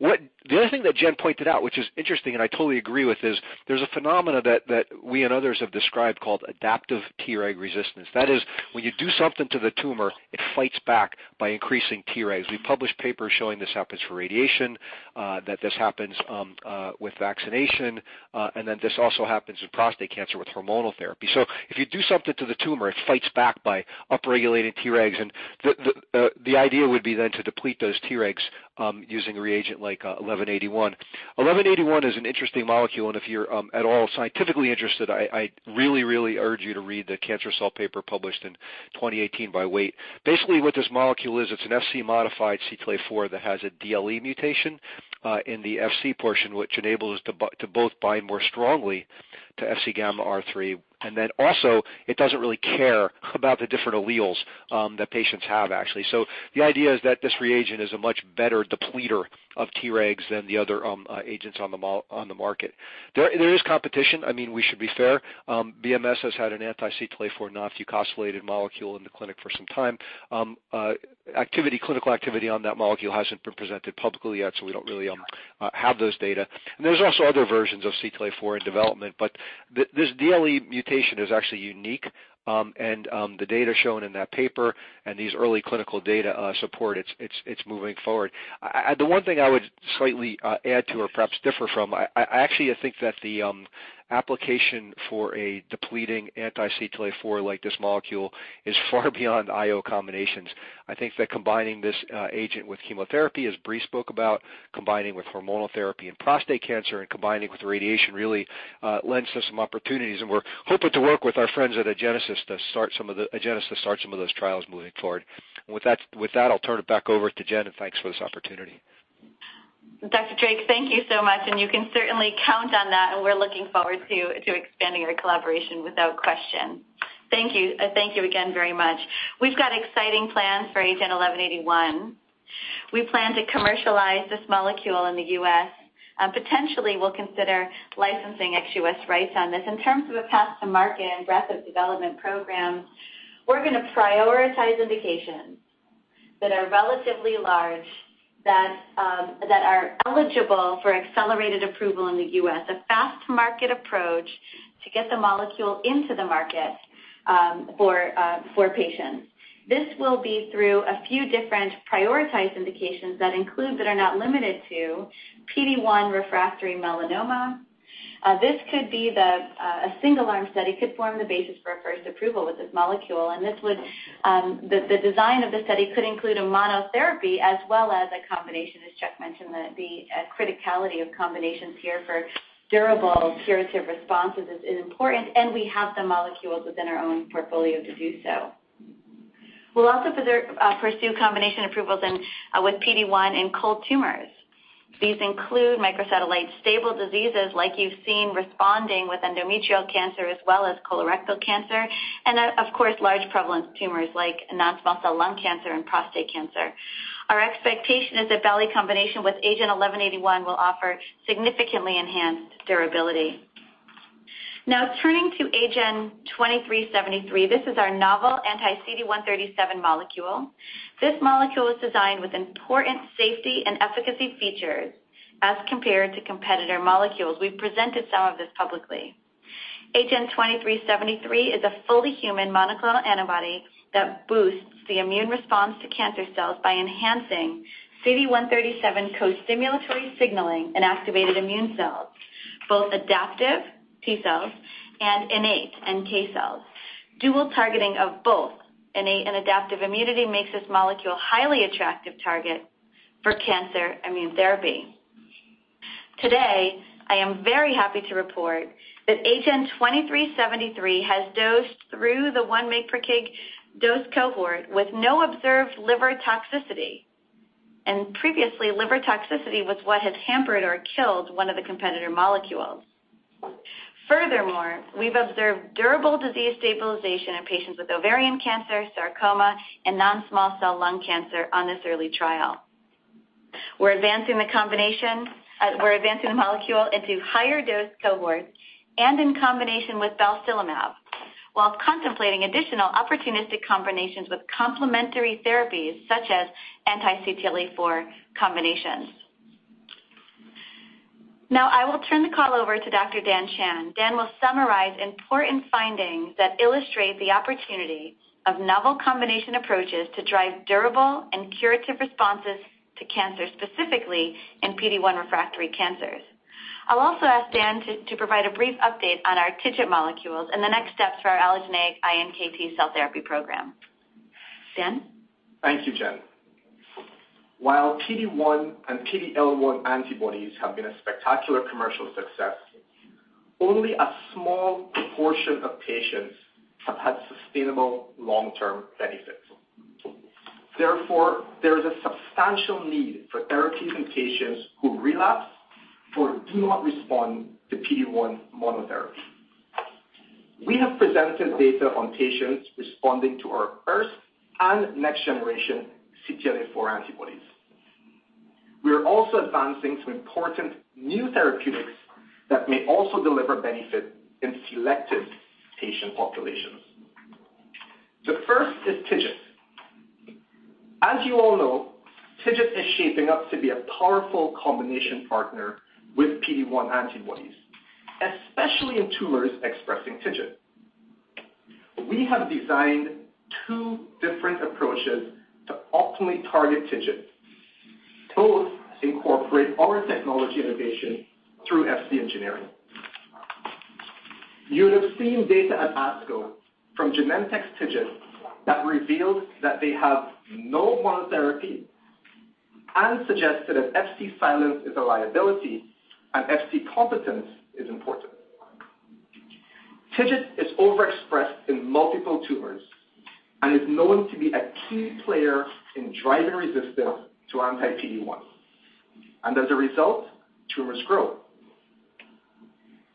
The other thing that Jen pointed out, which is interesting and I totally agree with, is there's a phenomena that we and others have described called adaptive Treg resistance. That is, when you do something to the tumor, it fights back by increasing Tregs. We've published papers showing this happens for radiation, that this happens with vaccination, and then this also happens with prostate cancer with hormonal therapy. If you do something to the tumor, it fights back by upregulating Tregs, and the idea would be then to deplete those Tregs using a reagent like 1181. 1181 is an interesting molecule, and if you're at all scientifically interested, I really, really urge you to read the "Cancer Cell" paper published in 2018 by Wei. Basically, what this molecule is, it's an Fc modified CTLA-4 that has a DLE mutation, in the Fc portion, which enables to both bind more strongly to Fc gamma RIII, and then also, it doesn't really care about the different alleles that patients have, actually. The idea is that this reagent is a much better depleter of Tregs than the other agents on the market. There is competition. We should be fair. BMS has had an anti-CTLA-4 non-fucosylated molecule in the clinic for some time. Clinical activity on that molecule hasn't been presented publicly yet. We don't really have those data. There's also other versions of CTLA-4 in development. This DLE mutation is actually unique, and the data shown in that paper and these early clinical data support its moving forward. The one thing I would slightly add to or perhaps differ from, I actually think that the application for a depleting anti-CTLA-4, like this molecule, is far beyond IO combinations. I think that combining this agent with chemotherapy, as Brie spoke about, combining with hormonal therapy and prostate cancer and combining with radiation really lends to some opportunities. We're hoping to work with our friends at Agenus to start some of those trials moving forward. With that, I'll turn it back over to Jen, and thanks for this opportunity. Dr. Drake, thank you so much, and you can certainly count on that, and we're looking forward to expanding our collaboration without question. Thank you again very much. We've got exciting plans for AGEN1181. We plan to commercialize this molecule in the U.S. Potentially, we'll consider licensing XUS rights on this. In terms of a path to market and breadth of development programs, we're going to prioritize indications that are relatively large, that are eligible for accelerated approval in the U.S., a fast market approach to get the molecule into the market for patients. This will be through a few different prioritized indications that include, that are not limited to PD-1 refractory melanoma. This could be a single-arm study, could form the basis for a first approval with this molecule, and the design of the study could include a monotherapy as well as a combination. As Charles Drake mentioned, the criticality of combinations here for durable curative responses is important, and we have the molecules within our own portfolio to do so. We'll also pursue combination approvals with PD-1 in cold tumors. These include microsatellite stable diseases like you've seen responding with endometrial cancer as well as colorectal cancer, and of course, large prevalent tumors like non-small cell lung cancer and prostate cancer. Our expectation is that Bal combination with AGEN1181 will offer significantly enhanced durability. Turning to AGEN2373, this is our novel anti-CD137 molecule. This molecule was designed with important safety and efficacy features as compared to competitor molecules. We've presented some of this publicly. AGEN2373 is a fully human monoclonal antibody that boosts the immune response to cancer cells by enhancing CD137 co-stimulatory signaling in activated immune cells, both adaptive, T cells, and innate, NK cells. Dual targeting of both innate and adaptive immunity makes this molecule a highly attractive target for cancer immune therapy. Today, I am very happy to report that AGEN2373 has dosed through the one mg per kg dose cohort with no observed liver toxicity, and previously, liver toxicity was what has hampered or killed one of the competitor molecules. Furthermore, we've observed durable disease stabilization in patients with ovarian cancer, sarcoma, and non-small cell lung cancer on this early trial. We're advancing the molecule into higher dose cohorts and in combination with balstilimab, whilst contemplating additional opportunistic combinations with complementary therapies such as anti-CTLA-4 combinations. I will turn the call over to Dr. Dhan Chand. Dhan will summarize important findings that illustrate the opportunity of novel combination approaches to drive durable and curative responses to cancer, specifically in PD-1 refractory cancers. I'll also ask Dhan to provide a brief update on our TIGIT molecules and the next steps for our allogeneic iNKT cell therapy program. Dhan? Thank you, Jen. While PD-1 and PD-L1 antibodies have been a spectacular commercial success, only a small proportion of patients have had sustainable long-term benefits. There is a substantial need for therapies in patients who relapse or do not respond to PD-1 monotherapy. We have presented data on patients responding to our first and next generation CTLA-4 antibodies. We are also advancing some important new therapeutics that may also deliver benefit in selected patient populations. The first is TIGIT. As you all know, TIGIT is shaping up to be a powerful combination partner with PD-1 antibodies, especially in tumors expressing TIGIT. We have designed two different approaches to optimally target TIGIT. Both incorporate our technology innovation through Fc engineering. You would have seen data at ASCO from Genentech's TIGIT that revealed that they have no monotherapy and suggested that Fc silence is a liability and Fc competence is important. TIGIT is overexpressed in multiple tumors and is known to be a key player in driving resistance to anti-PD-1, and as a result, tumors grow.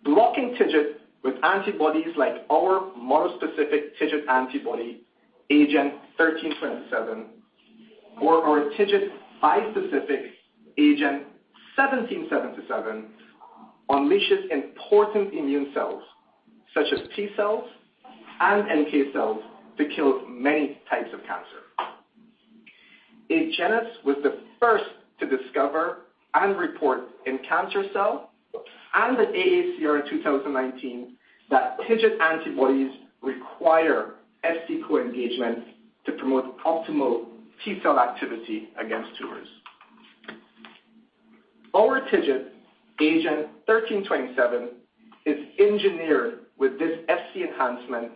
Blocking TIGIT with antibodies like our monospecific TIGIT antibody, AGEN1327, or our TIGIT bispecific AGEN1777, unleashes important immune cells, such as T cells and NK cells that kill many types of cancer. Agenus was the first to discover and report in "Cancer Cell" and at AACR 2019 that TIGIT antibodies require Fc co-engagement to promote optimal T cell activity against tumors. Our TIGIT AGEN1327 is engineered with this Fc enhancement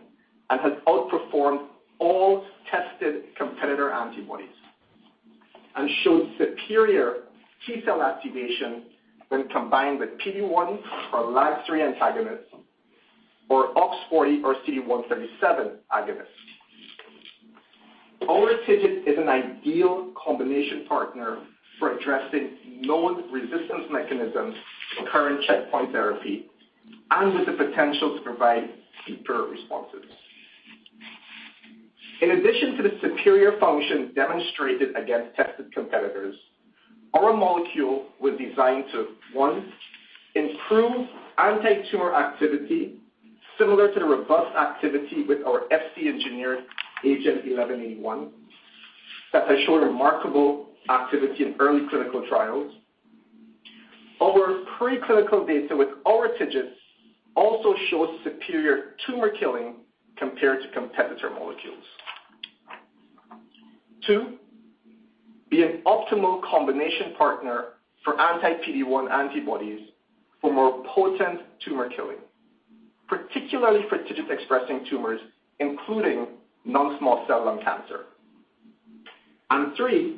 and has outperformed all tested competitor antibodies and showed superior T cell activation when combined with PD-1 or LAG-3 antagonists or OX40 or CD137 agonists. Our TIGIT is an ideal combination partner for addressing known resistance mechanisms for current checkpoint therapy and with the potential to provide superior responses. In addition to the superior function demonstrated against tested competitors, our molecule was designed to, 1, improve anti-tumor activity similar to the robust activity with our Fc-enhanced AGEN1181, that has shown remarkable activity in early clinical trials. Our preclinical data with our TIGIT also shows superior tumor killing compared to competitor molecules. 2, be an optimal combination partner for anti-PD-1 antibodies for more potent tumor killing, particularly for TIGIT-expressing tumors, including non-small cell lung cancer. 3,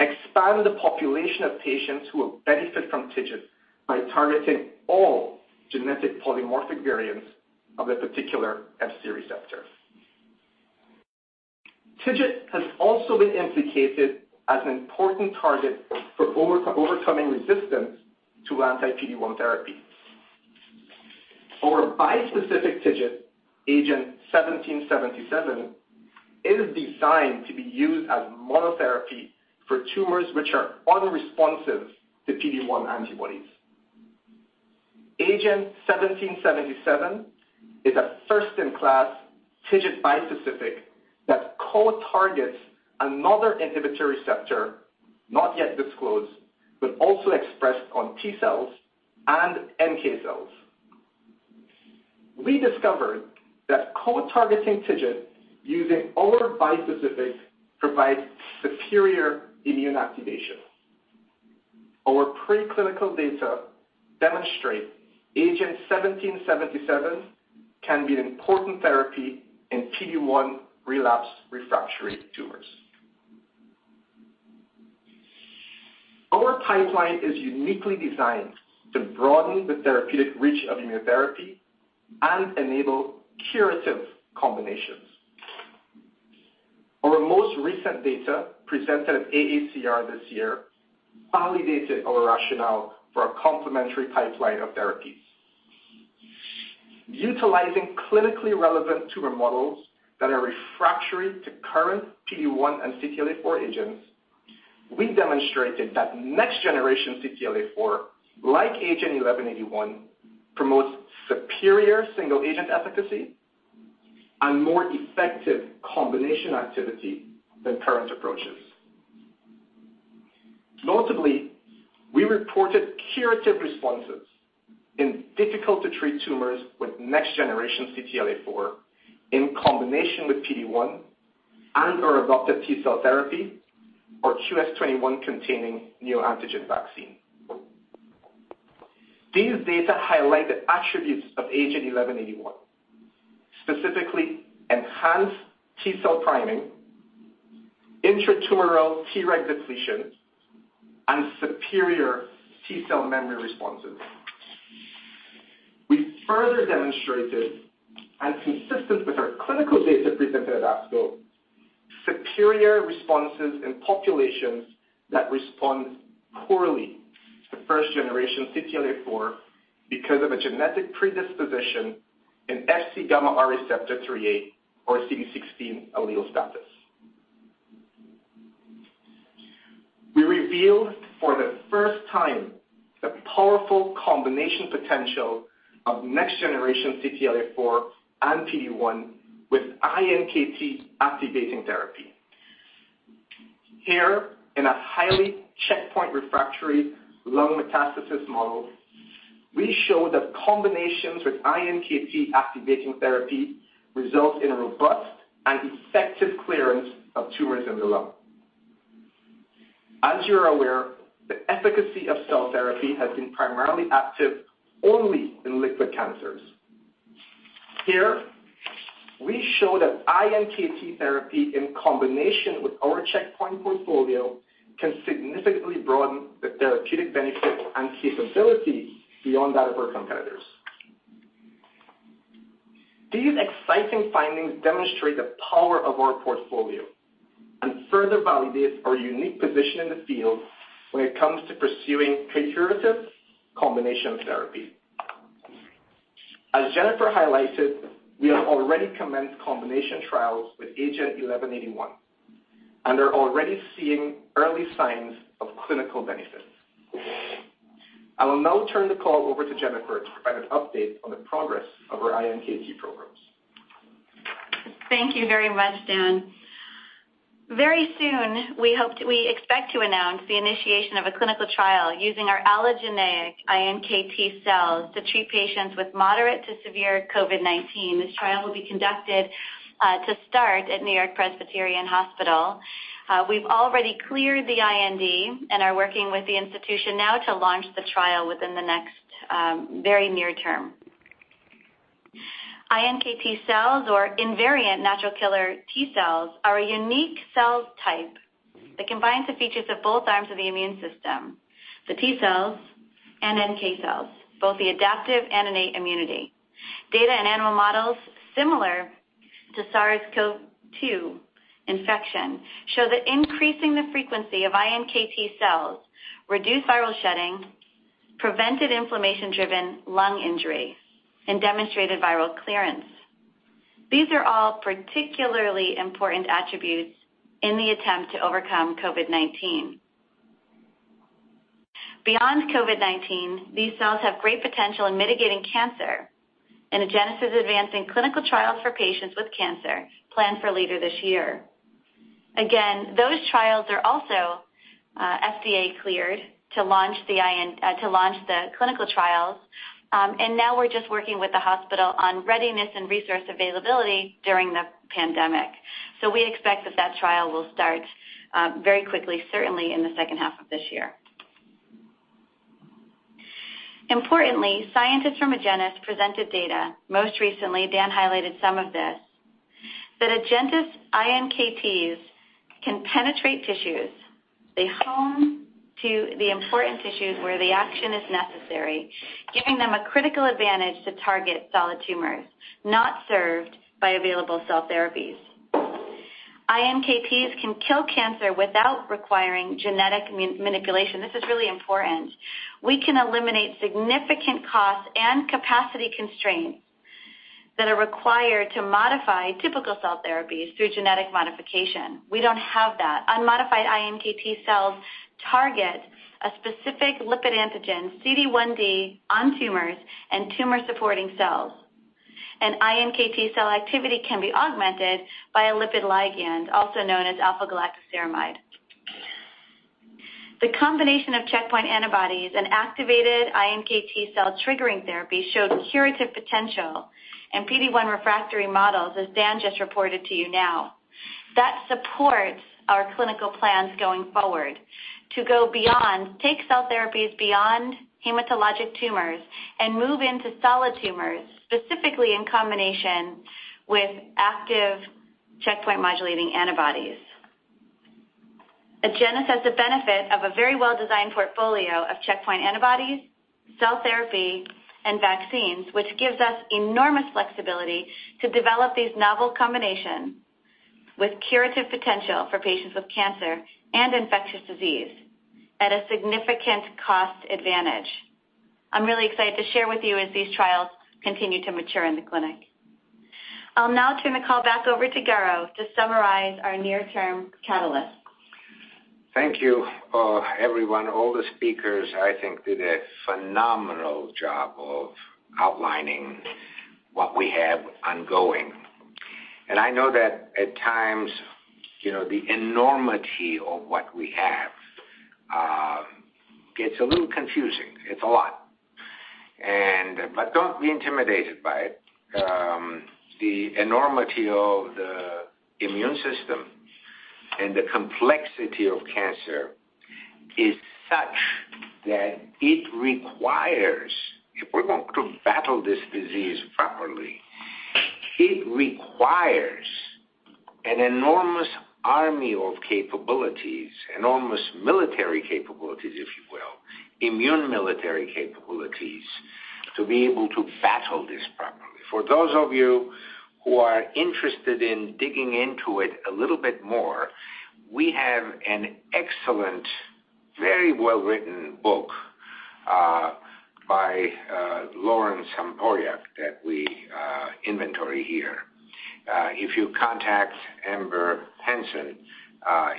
expand the population of patients who will benefit from TIGIT by targeting all genetic polymorphic variants of the particular Fc receptors. TIGIT has also been implicated as an important target for overcoming resistance to anti-PD-1 therapy. Our bispecific TIGIT, AGEN1777 is designed to be used as monotherapy for tumors which are unresponsive to PD-1 antibodies. AGEN1777 is a first in class TIGIT bispecific that co-targets another inhibitory receptor, not yet disclosed, but also expressed on T cells and NK cells. We discovered that co-targeting TIGIT using our bispecific provides superior immune activation. Our preclinical data demonstrate AGEN1777 can be an important therapy in PD-1 relapsed refractory tumors. Our pipeline is uniquely designed to broaden the therapeutic reach of immunotherapy and enable curative combinations. Our most recent data, presented at AACR this year, validated our rationale for a complementary pipeline of therapies. Utilizing clinically relevant tumor models that are refractory to current PD-1 and CTLA-4 agents, we demonstrated that next generation CTLA-4, like AGEN1181, promotes superior single agent efficacy and more effective combination activity than current approaches. Notably, we reported curative responses in difficult to treat tumors with next generation CTLA-4 in combination with PD-1 and/or adoptive T cell therapy or QS-21-containing neoantigen vaccine. These data highlight the attributes of AGEN1181, specifically enhanced T cell priming, intratumoral Treg depletion, and superior T cell memory responses. We further demonstrated, consistent with our clinical data presented at ASCO, superior responses in populations that respond poorly to first generation CTLA-4 because of a genetic predisposition in Fc gamma receptor IIIa or CD16 allele status. We revealed for the first time the powerful combination potential of next generation CTLA-4 and PD-1 with iNKT-activating therapy. Here, in a highly checkpoint refractory lung metastasis model, we show that combinations with iNKT-activating therapy result in a robust and effective clearance of tumors in the lung. As you're aware, the efficacy of cell therapy has been primarily active only in liquid cancers. Here, we show that iNKT therapy in combination with our checkpoint portfolio can significantly broaden the therapeutic benefit and capability beyond that of our competitors. These exciting findings demonstrate the power of our portfolio and further validates our unique position in the field when it comes to pursuing curatives combination therapy. As Jennifer highlighted, we have already commenced combination trials with AGEN1181 and are already seeing early signs of clinical benefits. I will now turn the call over to Jennifer to provide an update on the progress of our iNKT programs. Thank you very much, Dhan. Very soon, we expect to announce the initiation of a clinical trial using our allogeneic iNKT cells to treat patients with moderate to severe COVID-19. This trial will be conducted, to start at NewYork-Presbyterian Hospital. We've already cleared the IND and are working with the institution now to launch the trial within the next very near term. iNKT cells or invariant natural killer T cells are a unique cell type that combines the features of both arms of the immune system, the T cells and NK cells, both the adaptive and innate immunity. Data in animal models similar to SARS-CoV-2 infection show that increasing the frequency of iNKT cells reduced viral shedding, prevented inflammation-driven lung injury, and demonstrated viral clearance. These are all particularly important attributes in the attempt to overcome COVID-19. Beyond COVID-19, these cells have great potential in mitigating cancer, and Agenus is advancing clinical trials for patients with cancer planned for later this year. Those trials are also FDA cleared to launch the clinical trials, and now we're just working with the hospital on readiness and resource availability during the pandemic. We expect that that trial will start very quickly, certainly in the second half of this year. Importantly, scientists from Agenus presented data, most recently, Dan highlighted some of this, that Agenus iNKTs can penetrate tissues. They home to the important tissues where the action is necessary, giving them a critical advantage to target solid tumors not served by available cell therapies. iNKTs can kill cancer without requiring genetic manipulation. This is really important. We can eliminate significant costs and capacity constraints that are required to modify typical cell therapies through genetic modification. We don't have that. Unmodified iNKT cells target a specific lipid antigen, CD1d on tumors and tumor-supporting cells. An iNKT cell activity can be augmented by a lipid ligand, also known as alpha-galactosylceramide. The combination of checkpoint antibodies and activated iNKT cell triggering therapy showed curative potential in PD-1 refractory models, as Dan just reported to you now. That supports our clinical plans going forward to go beyond, take cell therapies beyond hematologic tumors and move into solid tumors, specifically in combination with active checkpoint modulating antibodies. Agenus has the benefit of a very well-designed portfolio of checkpoint antibodies, cell therapy, and vaccines, which gives us enormous flexibility to develop these novel combinations with curative potential for patients with cancer and infectious disease at a significant cost advantage. I'm really excited to share with you as these trials continue to mature in the clinic. I'll now turn the call back over to Garo to summarize our near-term catalyst. Thank you, everyone. All the speakers, I think, did a phenomenal job of outlining what we have ongoing. I know that at times, the enormity of what we have gets a little confusing. It's a lot. Don't be intimidated by it. The enormity of the immune system and the complexity of cancer is such that it requires, if we're going to battle this disease properly, it requires an enormous army of capabilities, enormous military capabilities, if you will, immune military capabilities to be able to battle this properly. For those of you who are interested in digging into it a little bit more, we have an excellent, very well-written book by Lauren Sompayrac that we inventory here. If you contact Amber Henson,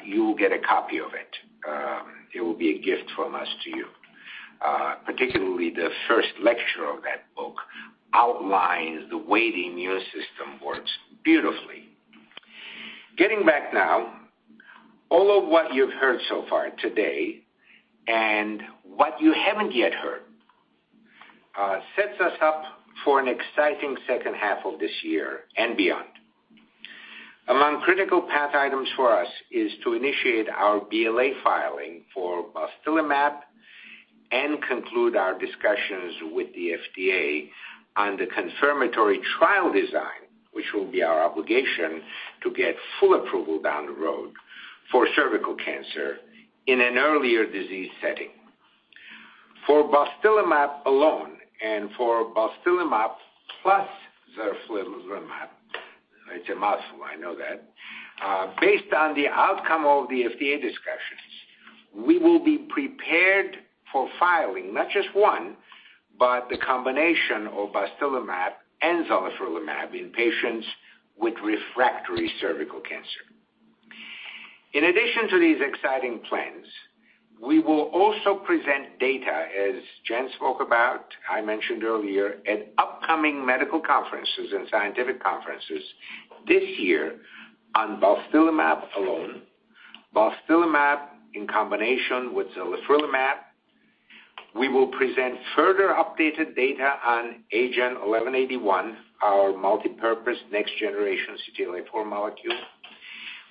you will get a copy of it. It will be a gift from us to you. Particularly the first lecture of that book outlines the way the immune system works beautifully. Getting back now, all of what you've heard so far today and what you haven't yet heard sets us up for an exciting second half of this year and beyond. Among critical path items for us is to initiate our BLA filing for balstilimab and conclude our discussions with the FDA on the confirmatory trial design, which will be our obligation to get full approval down the road for cervical cancer in an earlier disease setting. For balstilimab alone and for balstilimab plus zalifrelimab, it's a mouthful, I know that. Based on the outcome of the FDA discussions, we will be prepared for filing not just one, but the combination of balstilimab and zalifrelimab in patients with refractory cervical cancer. In addition to these exciting plans, we will also present data, as Jen spoke about, I mentioned earlier, at upcoming medical conferences and scientific conferences this year on balstilimab alone, balstilimab in combination with zalifrelimab. We will present further updated data on AGEN1181, our multipurpose next-generation CTLA-4 molecule.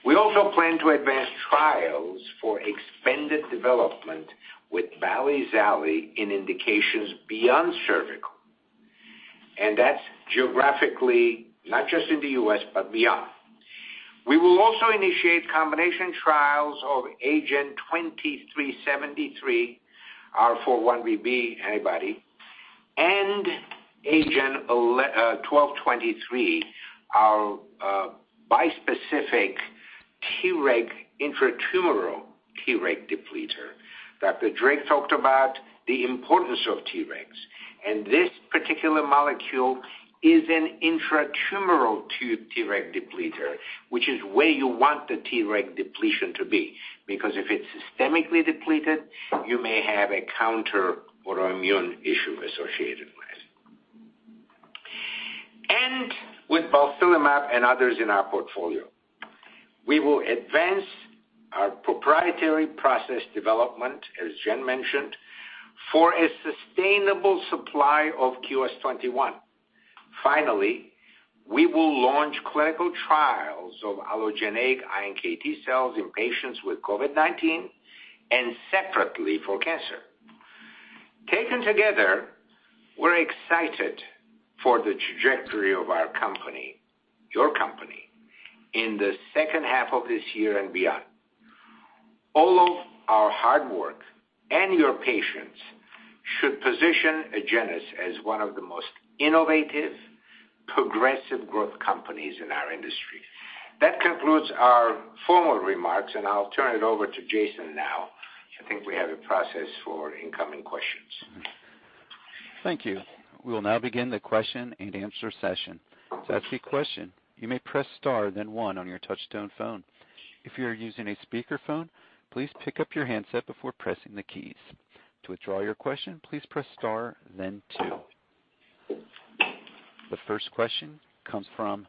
We also plan to advance trials for expanded development with balstilimab in indications beyond cervical, and that's geographically not just in the U.S., but beyond. We will also initiate combination trials of AGEN2373, our 4-1BB antibody, and AGEN1223, our bispecific Treg intra-tumoral Treg depleter. Dr. Drake talked about the importance of Tregs, this particular molecule is an intra-tumoral Treg depleter, which is where you want the Treg depletion to be, because if it's systemically depleted, you may have a counter autoimmune issue associated with it. With balstilimab and others in our portfolio, we will advance our proprietary process development, as Jen mentioned, for a sustainable supply of QS-21. Finally, we will launch clinical trials of allogeneic iNKT cells in patients with COVID-19 and separately for cancer. Taken together, we're excited for the trajectory of our company, your company, in the second half of this year and beyond. All of our hard work and your patience should position Agenus as one of the most innovative, progressive growth companies in our industry. That concludes our formal remarks, and I'll turn it over to Jason now. I think we have a process for incoming questions. Thank you. We will now begin the question and answer session. To ask a question, you may press star then one on your touchtone phone. If you are using a speaker phone, please pick up yor handset before pressing the keys. To withdraw your question please press star then two. The first question comes from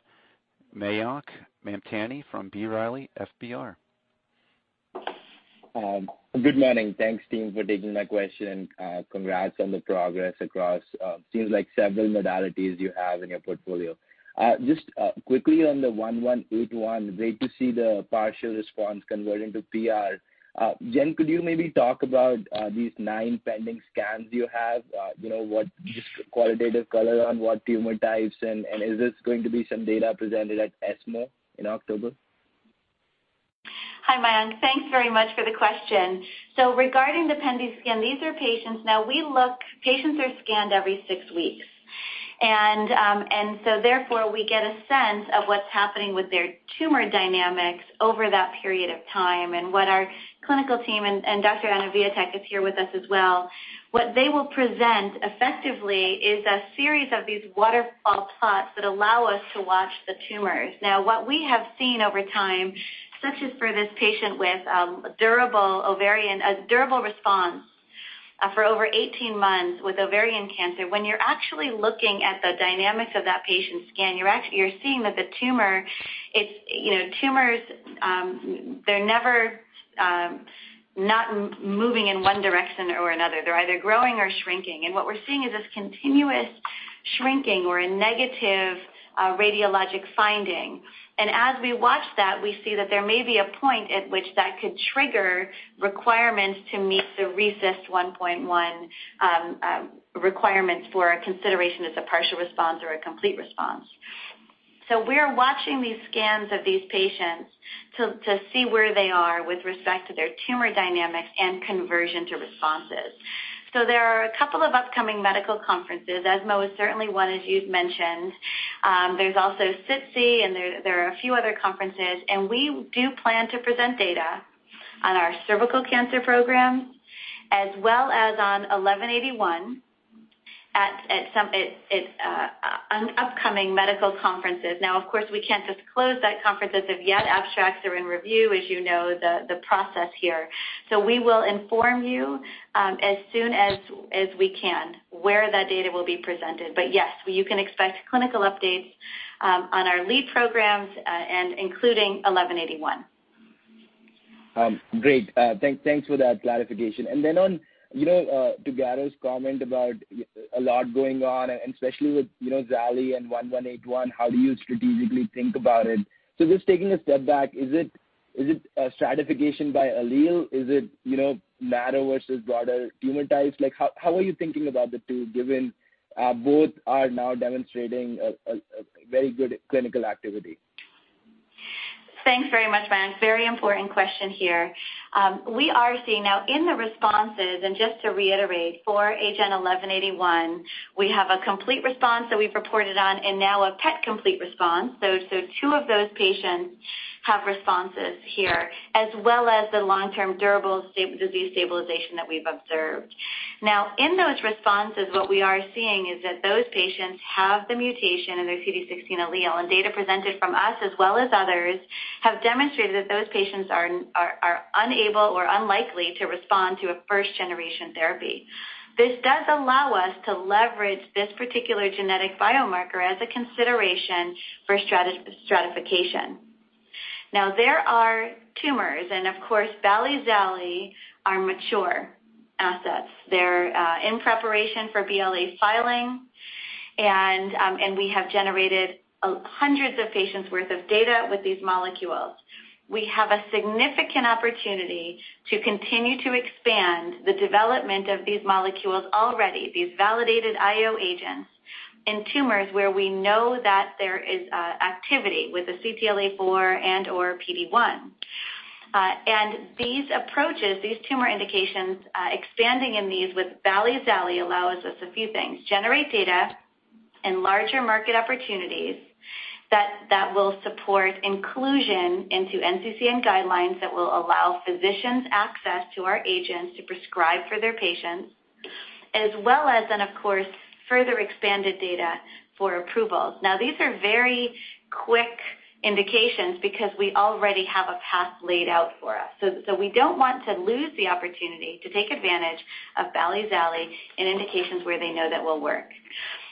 Mayank Mamtani from B. Riley FBR. Good morning. Thanks, team, for taking my question. Congrats on the progress across, seems like several modalities you have in your portfolio. Just quickly on the 1181, great to see the partial response convert into PR. Jen, could you maybe talk about these nine pending scans you have, what qualitative color on what tumor types, and is this going to be some data presented at ESMO in October? Hi, Mayank. Thanks very much for the question. Regarding the pending scan, these are patients. Now, patients are scanned every six weeks. Therefore, we get a sense of what's happening with their tumor dynamics over that period of time and what our clinical team and Dr. Anna Wijatyk is here with us as well. What they will present effectively is a series of these waterfall plots that allow us to watch the tumors. Now, what we have seen over time, such as for this patient with a durable response for over 18 months with ovarian cancer, when you're actually looking at the dynamics of that patient's scan, you're seeing that the tumor, they're never not moving in one direction or another. They're either growing or shrinking. What we're seeing is this continuous shrinking or a negative radiologic finding. As we watch that, we see that there may be a point at which that could trigger requirements to meet the RECIST 1.1 requirements for a consideration as a partial response or a complete response. We are watching these scans of these patients to see where they are with respect to their tumor dynamics and conversion to responses. There are a couple of upcoming medical conferences. ESMO is certainly one, as you'd mentioned. There's also SITC and there are a few other conferences, and we do plan to present data on our cervical cancer program, as well as on 1181 at upcoming medical conferences. Of course, we can't disclose that conferences as of yet. Abstracts are in review, as you know the process here. We will inform you as soon as we can where that data will be presented. Yes, you can expect clinical updates on our lead programs, and including 1181. Great. Thanks for that clarification. On to Garo's comment about a lot going on, especially with Zal and 1181, how do you strategically think about it? Just taking a step back, is it a stratification by allele? Is it narrow versus broader tumor types? How are you thinking about the two, given both are now demonstrating a very good clinical activity? Thanks very much, Mayank. Very important question here. We are seeing now in the responses, and just to reiterate, for AGEN1181, we have a complete response that we've reported on and now a PET complete response. So two of those patients have responses here, as well as the long-term durable disease stabilization that we've observed. Now, in those responses, what we are seeing is that those patients have the mutation in their CD16 allele, and data presented from us, as well as others, have demonstrated that those patients are unable or unlikely to respond to a first-generation therapy. This does allow us to leverage this particular genetic biomarker as a consideration for stratification. Now, there are tumors, and of course, BAL and ZALI are mature assets. They're in preparation for BLA filing, and we have generated hundreds of patients worth of data with these molecules. We have a significant opportunity to continue to expand the development of these molecules already, these validated IO agents in tumors where we know that there is activity with the CTLA-4 and/or PD-1. These approaches, these tumor indications expanding in these with BAL and ZALI allows us a few things, generate data and larger market opportunities that will support inclusion into NCCN guidelines that will allow physicians access to our agents to prescribe for their patients, as well as, and of course, further expanded data for approvals. These are very quick indications because we already have a path laid out for us. We don't want to lose the opportunity to take advantage of BAL and ZALI in indications where they know that will work.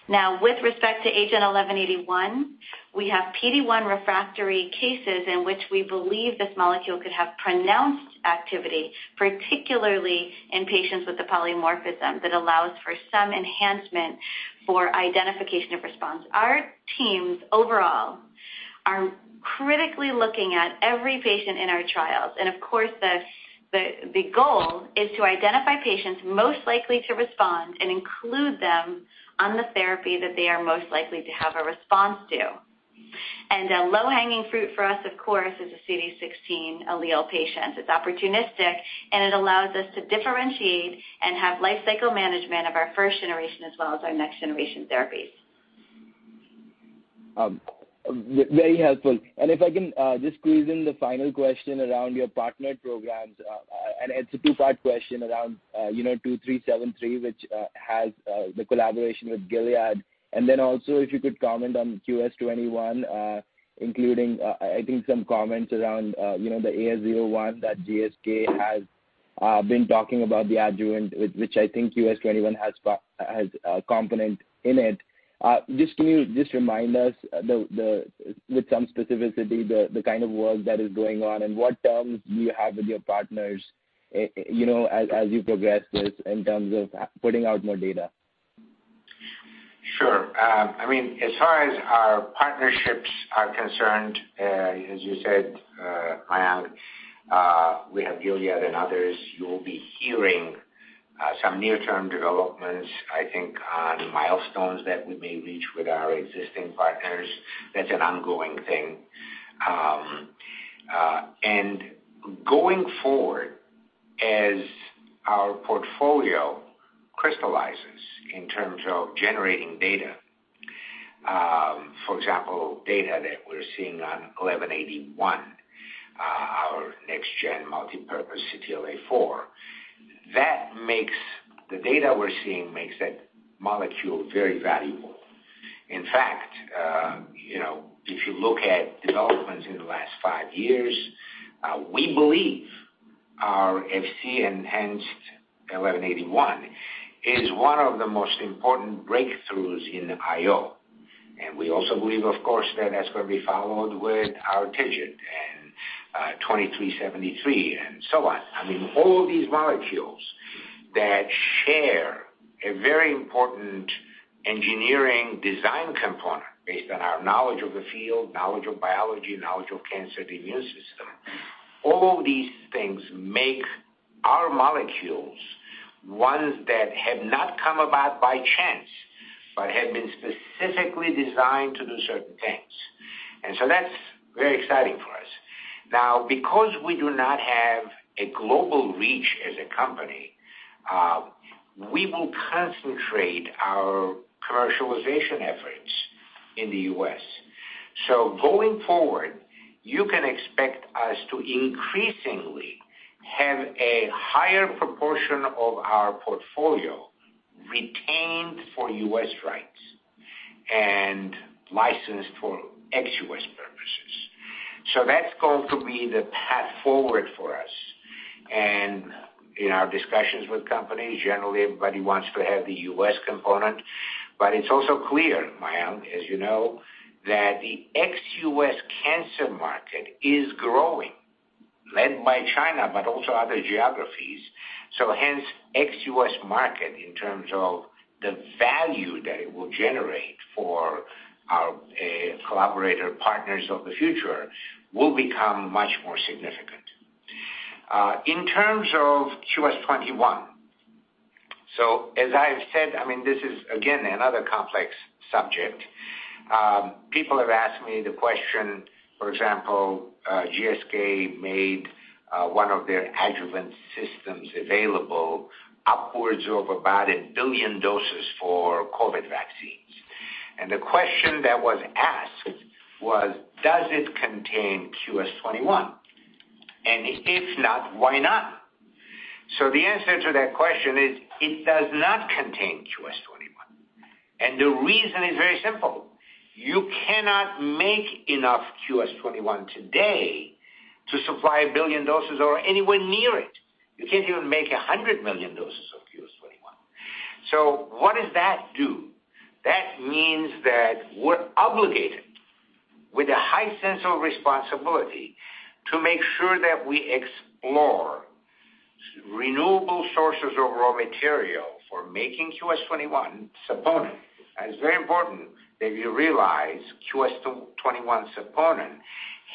Now, with respect to AGEN1181, we have PD-1 refractory cases in which we believe this molecule could have pronounced activity, particularly in patients with the polymorphism that allows for some enhancement for identification of response. Our teams overall are critically looking at every patient in our trials, and of course, the goal is to identify patients most likely to respond and include them on the therapy that they are most likely to have a response to. A low-hanging fruit for us, of course, is the CD16 allele patients. It's opportunistic, and it allows us to differentiate and have life cycle management of our first generation as well as our next generation therapies. Very helpful. If I can just squeeze in the final question around your partner programs, it's a two-part question around 2373, which has the collaboration with Gilead. Then also, if you could comment on QS-21, including, I think, some comments around the AS01 that GSK has been talking about the adjuvant, which I think QS-21 has a component in it. Can you just remind us with some specificity the kind of work that is going on and what terms you have with your partners, as you progress this in terms of putting out more data? Sure. As far as our partnerships are concerned, as you said, Mayank, we have Gilead and others. You'll be hearing some near-term developments, I think, on milestones that we may reach with our existing partners. That's an ongoing thing. Going forward, as our portfolio crystallizes in terms of generating data, for example, data that we're seeing on AGEN1181, our next gen multipurpose CTLA-4, the data we're seeing makes that molecule very valuable. In fact, if you look at developments in the last five years, we believe our Fc-enhanced AGEN1181 is one of the most important breakthroughs in IO. We also believe, of course, that's going to be followed with our TIGIT and AGEN2373 and so on. All these molecules that share a very important engineering design component based on our knowledge of the field, knowledge of biology, knowledge of cancer, the immune system, all these things make our molecules ones that have not come about by chance but have been specifically designed to do certain things. That's very exciting for us. Now, because we do not have a global reach as a company, we will concentrate our commercialization efforts in the U.S. Going forward, you can expect us to increasingly have a higher proportion of our portfolio retained for U.S. rights and licensed for ex-U.S. purposes. That's going to be the path forward for us. In our discussions with companies, generally, everybody wants to have the U.S. component, but it's also clear, Mayank, as you know, that the ex-U.S. cancer market is growing, led by China, but also other geographies. Hence, ex-U.S. market in terms of the value that it will generate for our collaborator partners of the future will become much more significant. In terms of QS-21, as I've said, this is again another complex subject. People have asked me the question, for example, GSK made one of their adjuvant systems available upwards of about 1 billion doses for COVID vaccines. The question that was asked was, does it contain QS-21? If not, why not? The answer to that question is it does not contain QS-21. The reason is very simple. You cannot make enough QS-21 today to supply 1 billion doses or anywhere near it. You can't even make 100 million doses of QS-21. What does that do? That means that we're obligated with a high sense of responsibility to make sure that we explore renewable sources of raw material for making QS-21's saponin. It's very important that you realize QS-21 saponin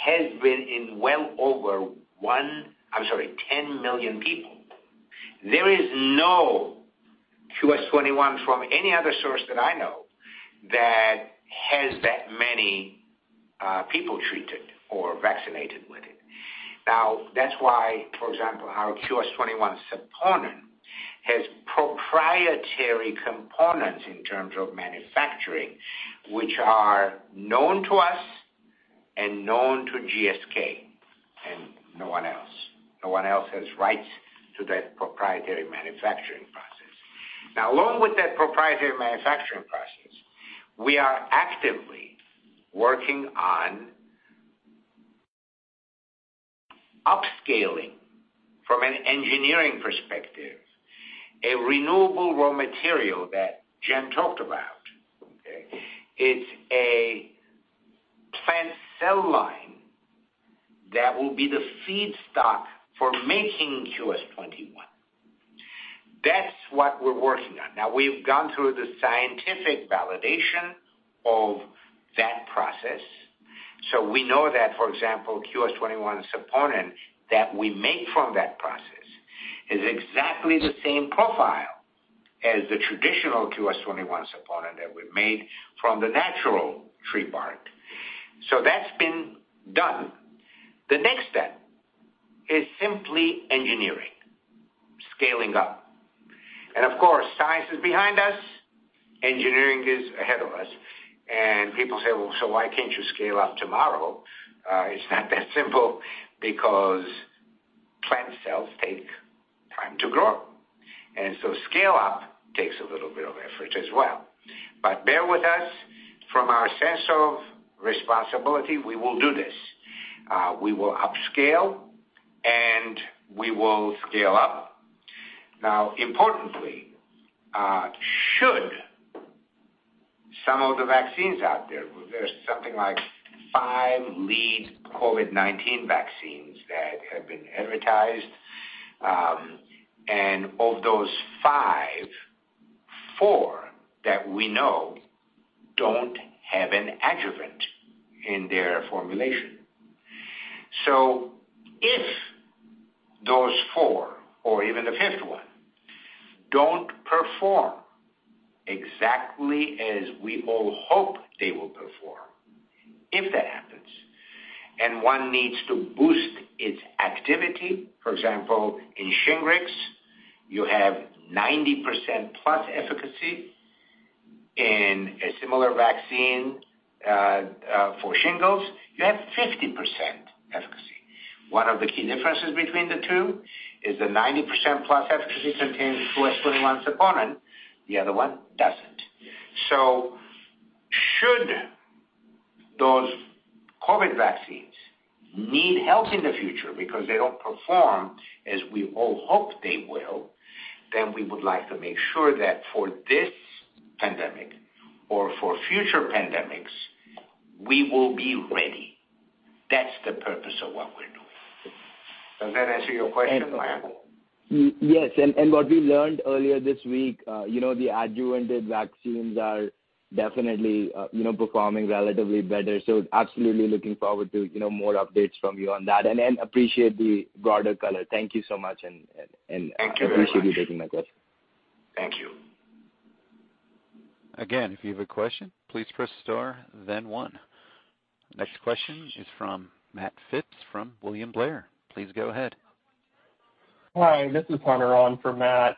has been in well over 10 million people. There is no QS-21 from any other source that I know that has that many people treated or vaccinated with it. That's why, for example, our QS-21 saponin has proprietary components in terms of manufacturing, which are known to us and known to GSK and no one else. No one else has rights to that proprietary manufacturing process. Along with that proprietary manufacturing process, we are actively working on upscaling from an engineering perspective, a renewable raw material that Jen talked about, okay. It's a plant cell line that will be the feedstock for making QS-21. That's what we're working on. We've gone through the scientific validation of that process. We know that, for example, QS-21 saponin that we make from that process is exactly the same profile as the traditional QS-21 Stimulon that we made from the natural tree bark. That's been done. The next step is simply engineering, scaling up. Of course, science is behind us, engineering is ahead of us, and people say, "Well, why can't you scale up tomorrow?" It's not that simple because plant cells take time to grow, scale up takes a little bit of effort as well. Bear with us. From our sense of responsibility, we will do this. We will upscale, and we will scale up. Importantly, should some of the vaccines out there's something like five lead COVID-19 vaccines that have been advertised, and of those five, four that we know don't have an adjuvant in their formulation. If those four or even the fifth one don't perform exactly as we all hope they will perform, if that happens, and one needs to boost its activity, for example, in SHINGRIX, you have 90%-plus efficacy. In a similar vaccine for shingles, you have 50% efficacy. One of the key differences between the two is the 90%-plus efficacy contains QS-21 Stimulon, the other one doesn't. Should those COVID vaccines need help in the future because they don't perform as we all hope they will, we would like to make sure that for this pandemic or for future pandemics, we will be ready. That's the purpose of what we're doing. Does that answer your question, Mayank? Yes. What we learned earlier this week, the adjuvanted vaccines are definitely performing relatively better. Absolutely looking forward to more updates from you on that, and appreciate the broader color. Thank you so much. Thank you very much. I appreciate you taking my question. Thank you. Again, if you have a question, please press star then one. Next question is from Matt Phipps from William Blair. Please go ahead. Hi, this is Hunter on for Matt.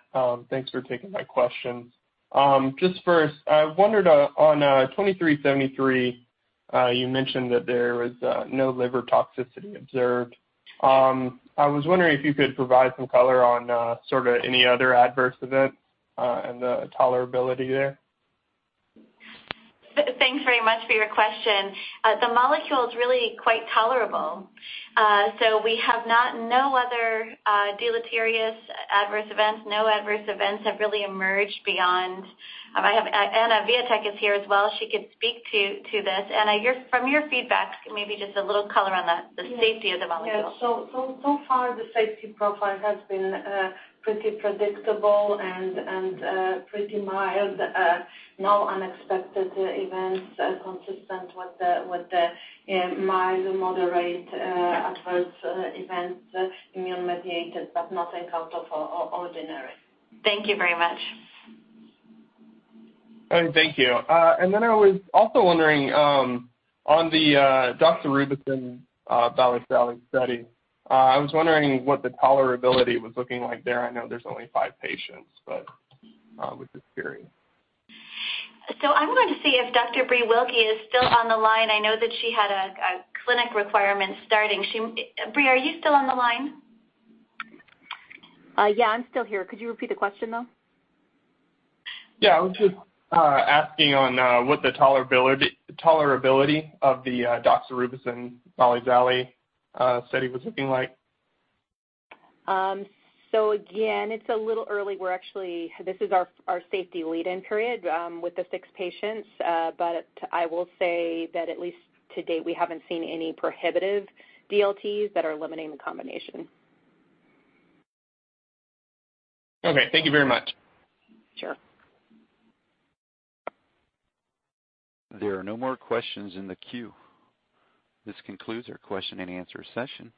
Thanks for taking my questions. First, I wondered on AGEN2373, you mentioned that there was no liver toxicity observed. I was wondering if you could provide some color on sort of any other adverse event, and the tolerability there. Thanks very much for your question. The molecule's really quite tolerable. We have no other deleterious adverse events. No adverse events have really emerged. Anna Wijatyk is here as well. She could speak to this. Anna, from your feedback, maybe just a little color on the safety of the molecule. Far the safety profile has been pretty predictable and pretty mild. No unexpected events consistent with the mild to moderate adverse events, immune-mediated, but nothing out of ordinary. Thank you very much. All right. Thank you. I was also wondering on the doxorubicin-balstilimab study. I was wondering what the tolerability was looking like there. I know there's only five patients, but was just curious. I wanted to see if Dr. Breelyn Wilky is still on the line. I know that she had a clinic requirement starting. Brie, are you still on the line? Yeah, I'm still here. Could you repeat the question, though? Yeah. I was just asking on what the tolerability of the doxorubicin-balstilimab study was looking like. Again, it's a little early. This is our safety lead-in period with the six patients. I will say that at least to date, we haven't seen any prohibitive DLTs that are limiting the combination. Okay. Thank you very much. Sure. There are no more questions in the queue. This concludes our question and answer session.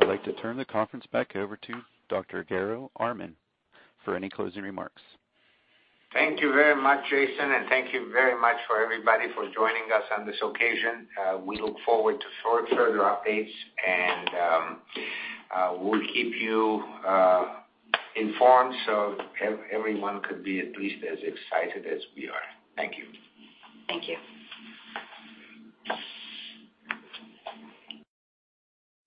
I'd like to turn the conference back over to Dr. Garo Armen for any closing remarks. Thank you very much, Jason, and thank you very much for everybody for joining us on this occasion. We look forward to further updates, and we'll keep you informed so everyone could be at least as excited as we are. Thank you. Thank you.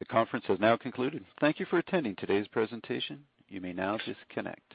The conference has now concluded. Thank you for attending today's presentation. You may now disconnect.